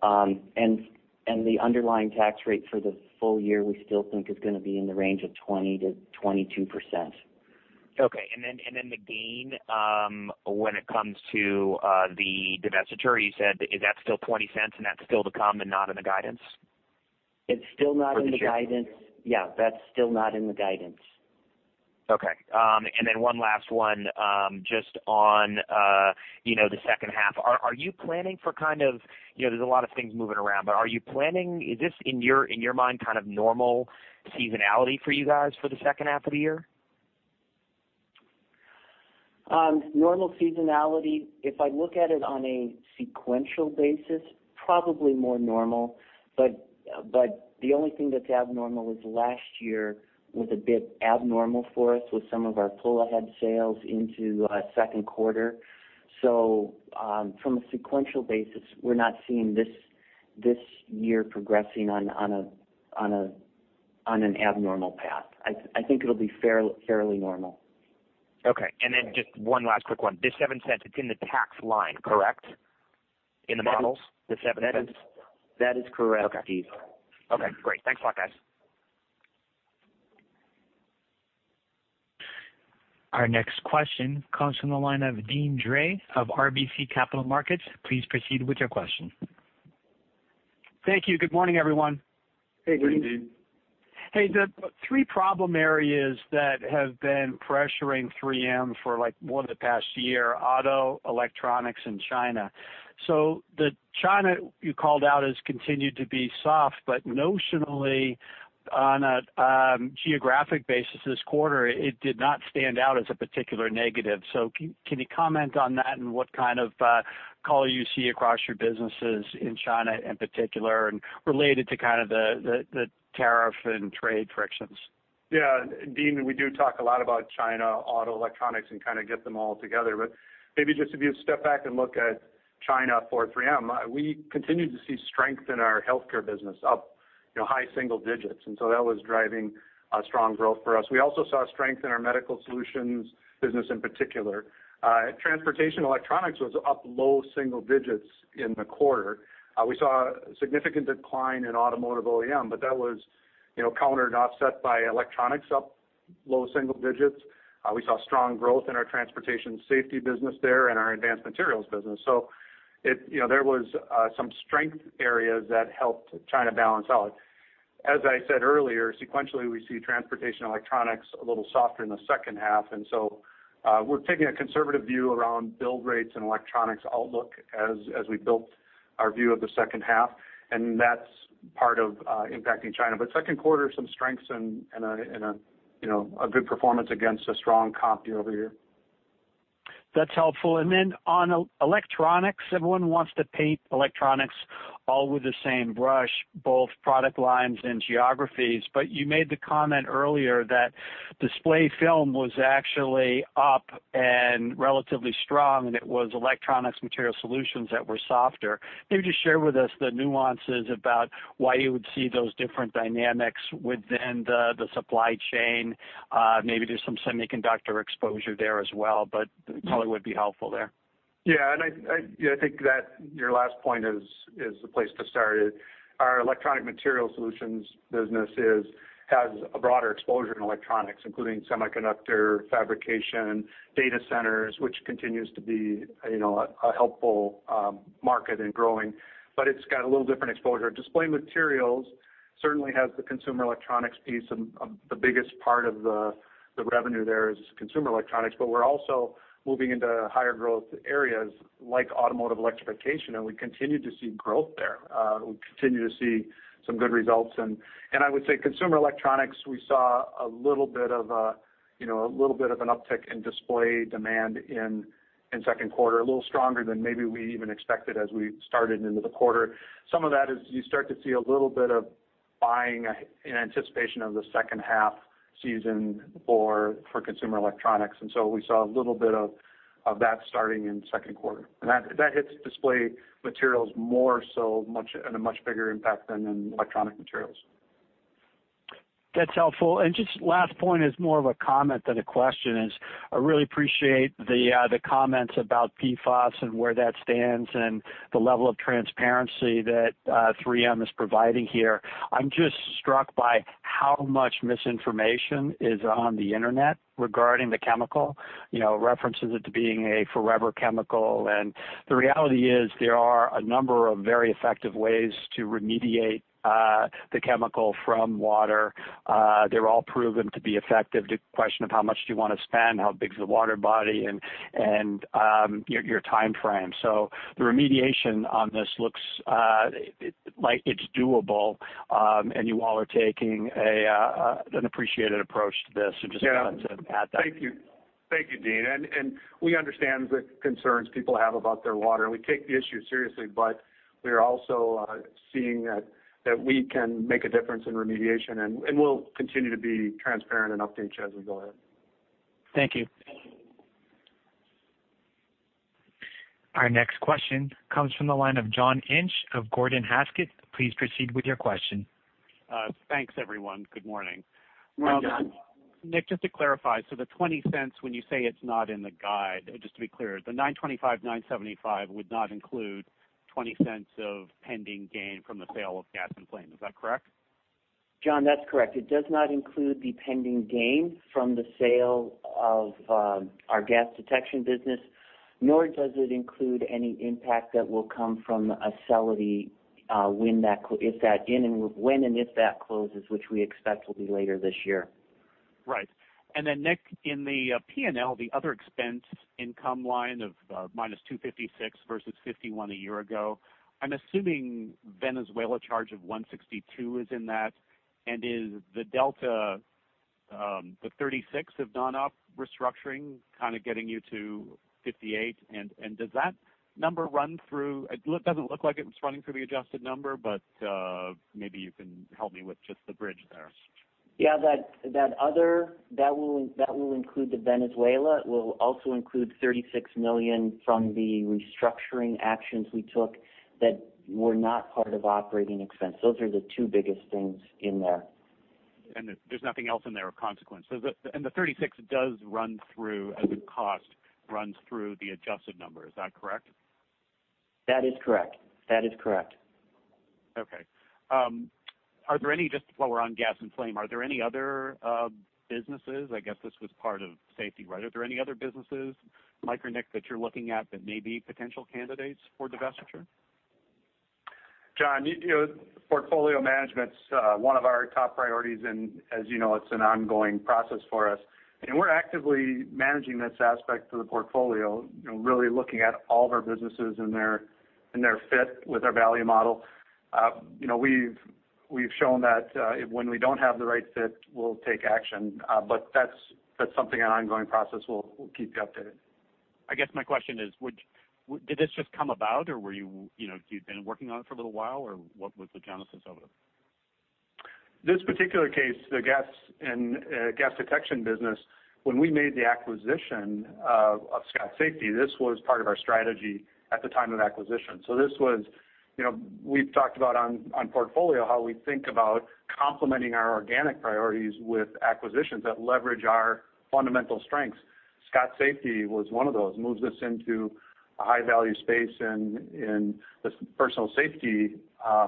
The underlying tax rate for the full year, we still think is going to be in the range of 20%-22%. Okay. Then the gain, when it comes to the divestiture, you said, is that still $0.20 and that's still to come and not in the guidance? It's still not in the guidance. For this year? Yeah, that's still not in the guidance. Okay. Then one last one, just on the second half, are you planning for there's a lot of things moving around, but are you planning, is this in your mind, kind of normal seasonality for you guys for the second half of the year? Normal seasonality, if I look at it on a sequential basis, probably more normal, but the only thing that's abnormal is last year was a bit abnormal for us with some of our pull-ahead sales into second quarter. From a sequential basis, we're not seeing this year progressing on an abnormal path. I think it'll be fairly normal. Okay. Just one last quick one. This $0.07, it's in the tax line, correct? In the models, the $0.07. That is correct, Steve. Okay, great. Thanks a lot, guys. Our next question comes from the line of Deane Dray of RBC Capital Markets. Please proceed with your question. Thank you. Good morning, everyone. Hey, Deane. Hey, the three problem areas that have been pressuring 3M for more than the past year, Auto, Electronics, and China. The China you called out has continued to be soft, but notionally on a geographic basis this quarter, it did not stand out as a particular negative. Can you comment on that and what kind of color you see across your businesses in China in particular and related to kind of the tariff and trade frictions? Deane, we do talk a lot about China auto electronics and kind of get them all together, maybe just if you step back and look at China for 3M, we continued to see strength in our Healthcare business up high single digits, that was driving strong growth for us. We also saw strength in our medical solutions business in particular. Transportation and Electronics was up low single digits in the quarter. We saw a significant decline in automotive OEM, that was countered and offset by Electronics up low single digits. We saw strong growth in our transportation safety business there and our advanced materials business. There was some strength areas that helped China balance out. As I said earlier, sequentially, we see Transportation and Electronics a little softer in the second half, and so we're taking a conservative view around build rates and electronics outlook as we built our view of the second half, and that's part of impacting China. Second quarter, some strengths and a good performance against a strong comp year-over-year. That's helpful. On electronics, everyone wants to paint electronics all with the same brush, both product lines and geographies. You made the comment earlier that display film was actually up and relatively strong, and it was Electronic Materials Solutions that were softer. Maybe just share with us the nuances about why you would see those different dynamics within the supply chain. Maybe there's some semiconductor exposure there as well, but color would be helpful there. Yeah. I think that your last point is the place to start. Our Electronic Materials Solutions business has a broader exposure in electronics, including semiconductor fabrication, data centers, which continues to be a helpful market and growing. It's got a little different exposure. display materials certainly has the consumer electronics piece, and the biggest part of the revenue there is consumer electronics. We're also moving into higher growth areas like automotive electrification, and we continue to see growth there. We continue to see some good results. I would say consumer electronics, we saw a little bit of an uptick in display demand in second quarter, a little stronger than maybe we even expected as we started into the quarter. Some of that is you start to see a little bit of buying in anticipation of the second half season for consumer electronics. We saw a little bit of that starting in the second quarter. That hits display materials more so at a much bigger impact than in electronic materials. That's helpful. Just last point is more of a comment than a question is I really appreciate the comments about PFAS and where that stands and the level of transparency that 3M is providing here. I'm just struck by how much misinformation is on the internet regarding the chemical, references it to being a forever chemical. The reality is there are a number of very effective ways to remediate the chemical from water. They're all proven to be effective. The question of how much do you want to spend, how big is the water body, and your timeframe. The remediation on this looks like it's doable, and you all are taking an appreciated approach to this. Just wanted to add that. Thank you, Deane. We understand the concerns people have about their water, and we take the issue seriously, but we are also seeing that we can make a difference in remediation, and we'll continue to be transparent and update you as we go ahead. Thank you. Our next question comes from the line of John Inch of Gordon Haskett. Please proceed with your question. Thanks, everyone. Good morning. Good morning, John. Nick, just to clarify, the $0.20, when you say it's not in the guide, just to be clear, the $925,975 would not include $0.20 of pending gain from the sale of gas and flame. Is that correct? John, that's correct. It does not include the pending gain from the sale of our gas detection business, nor does it include any impact that will come from Acelity when and if that closes, which we expect will be later this year. Right. Then Nick, in the P&L, the other expense income line of -$256 versus $51 a year ago, I'm assuming Venezuela charge of $162 is in that. Is the delta, the $36 of non-op restructuring kind of getting you to $58? Does that number run through? It doesn't look like it was running through the adjusted number, but maybe you can help me with just the bridge there. Yeah. That other, that will include the Venezuela. It will also include $36 million from the restructuring actions we took that were not part of operating expense. Those are the two biggest things in there. There's nothing else in there of consequence. The 36 does run through as a cost, runs through the adjusted number. Is that correct? That is correct. Okay. Just while we're on gas and flame, are there any other businesses, I guess this was part of Safety, right? Are there any other businesses, Mike or Nick, that you're looking at that may be potential candidates for divestiture? John, portfolio management's one of our top priorities, and as you know, it's an ongoing process for us. We're actively managing this aspect of the portfolio, really looking at all of our businesses and their fit with our value model. We've shown that when we don't have the right fit, we'll take action. That's something, an ongoing process. We'll keep you updated. I guess my question is, did this just come about or have you been working on it for a little while, or what was the genesis of it? This particular case, the gas and flame detection business, when we made the acquisition of Scott Safety, this was part of our strategy at the time of acquisition. We've talked about on portfolio how we think about complementing our organic priorities with acquisitions that leverage our fundamental strengths. Scott Safety was one of those. Moves us into a high-value space in this personal safety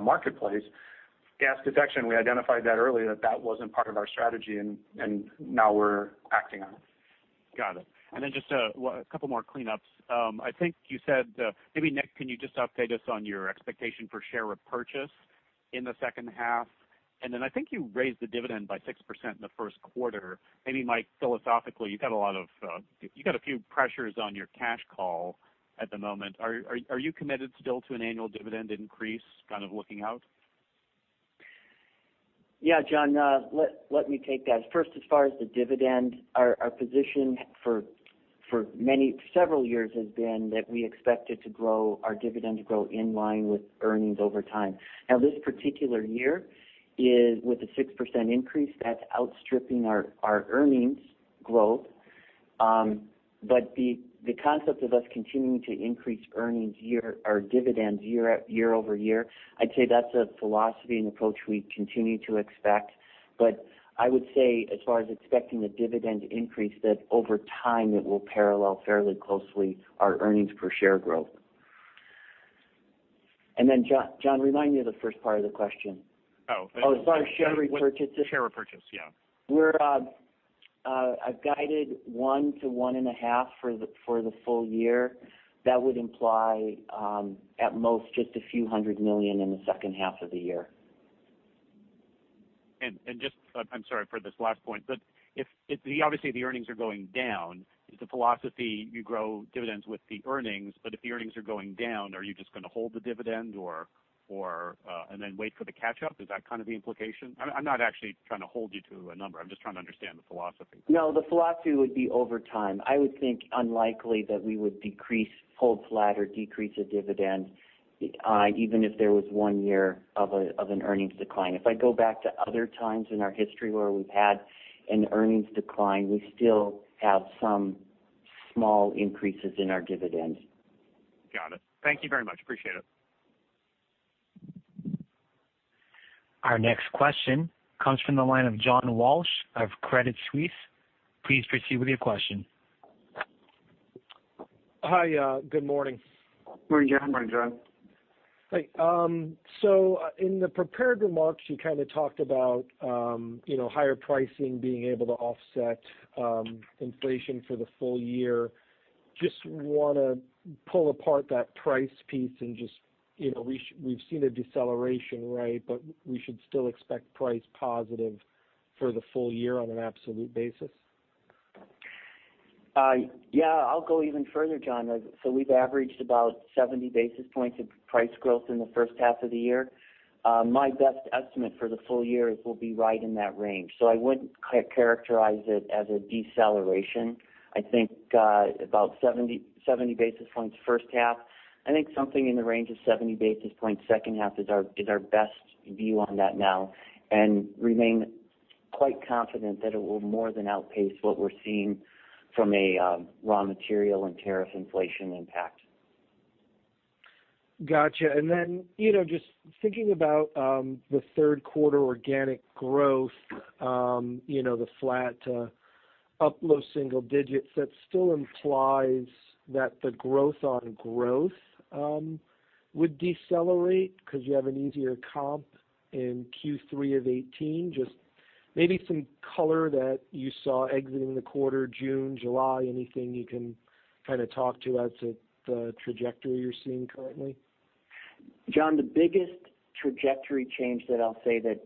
marketplace. Gas detection, we identified that early that that wasn't part of our strategy, now we're acting on it. Got it. Just a couple more cleanups. I think you said, maybe Nick, can you just update us on your expectation for share repurchase in the second half? I think you raised the dividend by 6% in the first quarter. Maybe Mike, philosophically, you got a few pressures on your cash call at the moment. Are you committed still to an annual dividend increase kind of looking out? John, let me take that. First, as far as the dividend, our position for several years has been that we expect our dividend to grow in line with earnings over time. This particular year with a 6% increase, that's outstripping our earnings growth. The concept of us continuing to increase our dividends year over year, I'd say that's a philosophy and approach we continue to expect. I would say as far as expecting the dividend increase, that over time, it will parallel fairly closely our earnings per share growth. John, remind me of the first part of the question. Oh. Oh, as far as share repurchases? Share repurchase, yeah. We're guided one to one and a half for the full year. That would imply, at most, just a $few hundred million in the second half of the year. Just, I'm sorry for this last point. Obviously the earnings are going down. It's a philosophy, you grow dividends with the earnings. If the earnings are going down, are you just going to hold the dividend and then wait for the catch-up? Is that kind of the implication? I'm not actually trying to hold you to a number. I'm just trying to understand the philosophy. No, the philosophy would be over time. I would think unlikely that we would hold flat or decrease a dividend, even if there was one year of an earnings decline. If I go back to other times in our history where we've had an earnings decline, we still have some small increases in our dividend. Got it. Thank you very much. Appreciate it. Our next question comes from the line of John Walsh of Credit Suisse. Please proceed with your question. Hi. Good morning. Morning, John. Morning, John. Great. In the prepared remarks, you kind of talked about higher pricing being able to offset inflation for the full year. Just want to pull apart that price piece and just, we've seen a deceleration, right? We should still expect price positive for the full year on an absolute basis? Yeah, I'll go even further, John. We've averaged about 70 basis points of price growth in the first half of the year. My best estimate for the full year is we'll be right in that range. I wouldn't characterize it as a deceleration. I think about 70 basis points first half. I think something in the range of 70 basis points second half is our best view on that now, and remain quite confident that it will more than outpace what we're seeing from a raw material and tariff inflation impact. Got you. Just thinking about the third quarter organic growth, the flat to up low single-digits, that still implies that the growth on growth would decelerate because you have an easier comp in Q3 of 2018. Just maybe some color that you saw exiting the quarter, June, July, anything you can kind of talk to as to the trajectory you're seeing currently? John, the biggest trajectory change that I'll say that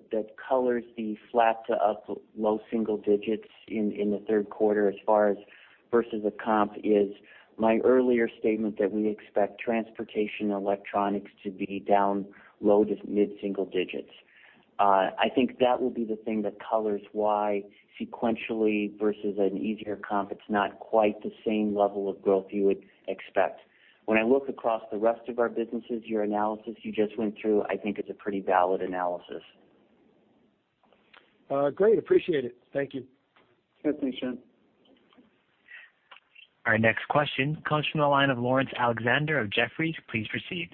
colors the flat to up low single digits in the third quarter as far as versus a comp is my earlier statement that we expect Transportation and Electronics to be down low to mid-single digits. I think that will be the thing that colors why sequentially versus an easier comp, it's not quite the same level of growth you would expect. When I look across the rest of our businesses, your analysis you just went through, I think is a pretty valid analysis. Great. Appreciate it. Thank you. Thanks, John. Our next question comes from the line of Laurence Alexander of Jefferies. Please proceed.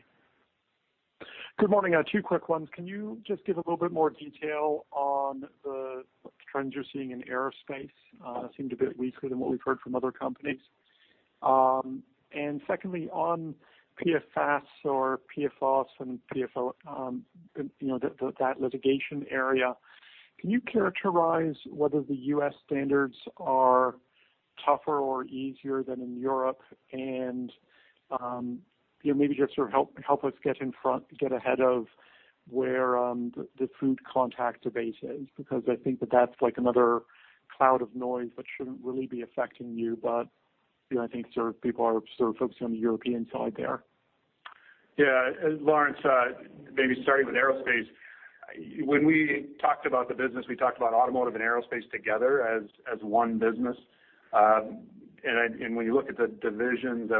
Good morning. I have two quick ones. Can you just give a little bit more detail on the trends you're seeing in aerospace? Seemed a bit weaker than what we've heard from other companies. Secondly, on PFAS or PFOS and PFOA, that litigation area, can you characterize whether the U.S. standards are tougher or easier than in Europe? Maybe just help us get ahead of where the food contact debate is, because I think that that's like another cloud of noise that shouldn't really be affecting you. I think people are still focusing on the European side there. Yeah. Laurence, maybe starting with aerospace. When we talked about the business, we talked about automotive and aerospace together as one business. When you look at the divisions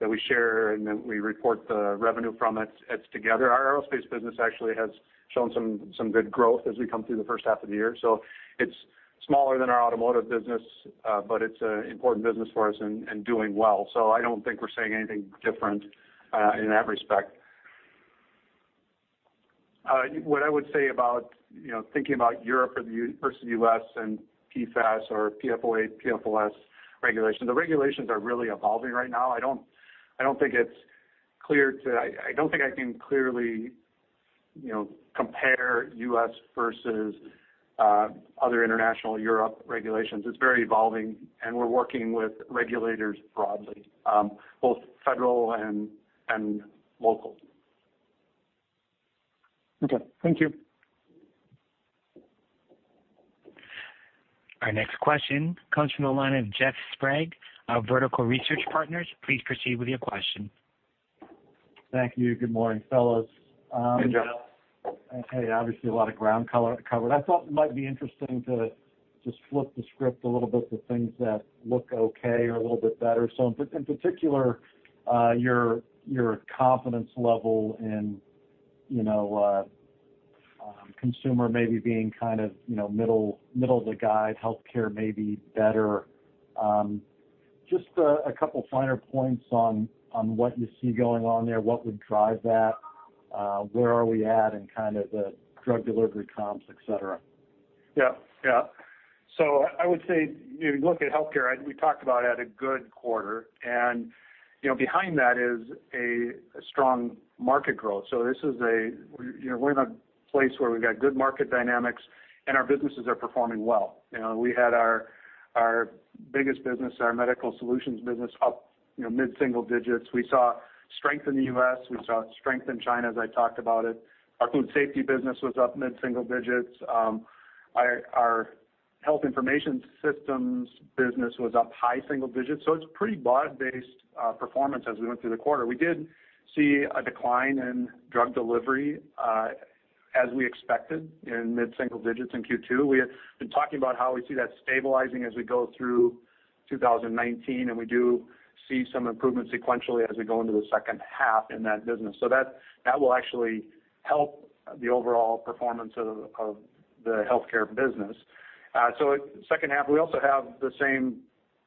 that we share and that we report the revenue from it's together. Our aerospace business actually has shown some good growth as we come through the first half of the year. It's smaller than our automotive business, but it's an important business for us and doing well. I don't think we're saying anything different in that respect. What I would say about thinking about Europe versus U.S. and PFAS or PFOA, PFOS regulation, the regulations are really evolving right now. I don't think I can clearly compare U.S. versus other international Europe regulations. It's very evolving, and we're working with regulators broadly, both federal and local. Okay. Thank you. Our next question comes from the line of Jeff Sprague of Vertical Research Partners. Please proceed with your question. Thank you. Good morning, fellas. Hey, Jeff. Hey. Obviously, a lot of ground covered. I thought it might be interesting to just flip the script a little bit to things that look okay or a little bit better. In particular, your confidence level in Consumer maybe being kind of middle of the guide, Healthcare may be better. Just a couple finer points on what you see going on there. What would drive that? Where are we at in kind of the drug delivery comps, et cetera? Yeah. I would say, you look at Healthcare, we talked about it had a good quarter, and behind that is a strong market growth. We're in a place where we've got good market dynamics, and our businesses are performing well. We had our biggest business, our medical solutions business, up mid-single digits. We saw strength in the U.S. We saw strength in China, as I talked about it. Our food safety business was up mid-single digits. Our health information systems business was up high single digits. It's pretty broad-based performance as we went through the quarter. We did see a decline in drug delivery as we expected in mid-single digits in Q2. We have been talking about how we see that stabilizing as we go through 2019, and we do see some improvement sequentially as we go into the second half in that business. That will actually help the overall performance of the Healthcare business. Second half, we also have the same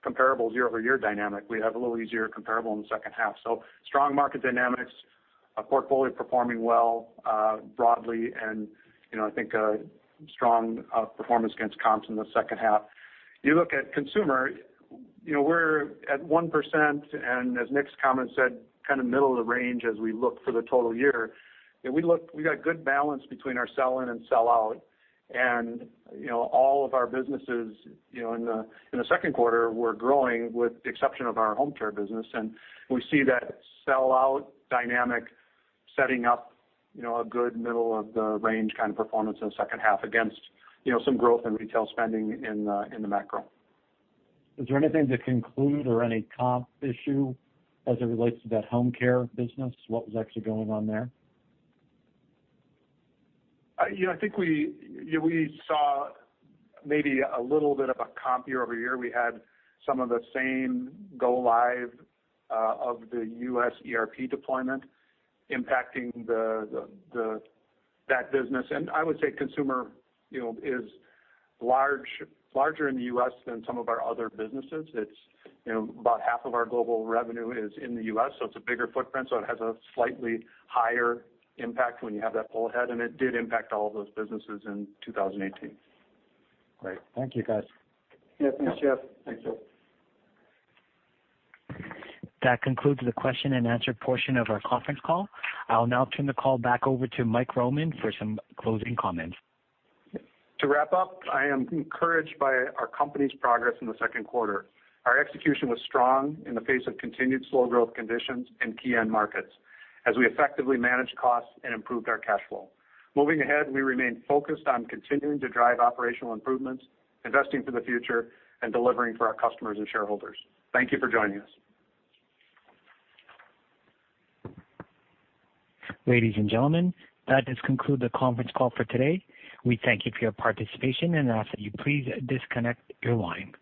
comparable year-over-year dynamic. We have a little easier comparable in the second half. Strong market dynamics, our portfolio performing well broadly, and I think a strong performance against comps in the second half. You look at Consumer, we're at 1%, and as Nick's comment said, kind of middle of the range as we look for the total year. We got good balance between our sell-in and sell-out, and all of our businesses in the second quarter were growing with the exception of our home care business. We see that sell-out dynamic setting up a good middle-of-the-range kind of performance in the second half against some growth in retail spending in the macro. Is there anything to conclude or any comp issue as it relates to that home care business? What was actually going on there? I think we saw maybe a little bit of a comp year-over-year. We had some of the same go live of the U.S. ERP deployment impacting that business. I would say Consumer is larger in the U.S. than some of our other businesses. About half of our global revenue is in the U.S., so it's a bigger footprint, so it has a slightly higher impact when you have that pull ahead, and it did impact all of those businesses in 2018. Great. Thank you, guys. Yeah. Thanks, Jeff. Thanks, Jeff. That concludes the question and answer portion of our conference call. I will now turn the call back over to Mike Roman for some closing comments. To wrap up, I am encouraged by our company's progress in the second quarter. Our execution was strong in the face of continued slow growth conditions in key end markets as we effectively managed costs and improved our cash flow. Moving ahead, we remain focused on continuing to drive operational improvements, investing for the future, and delivering for our customers and shareholders. Thank you for joining us. Ladies and gentlemen, that does conclude the conference call for today. We thank you for your participation and ask that you please disconnect your line.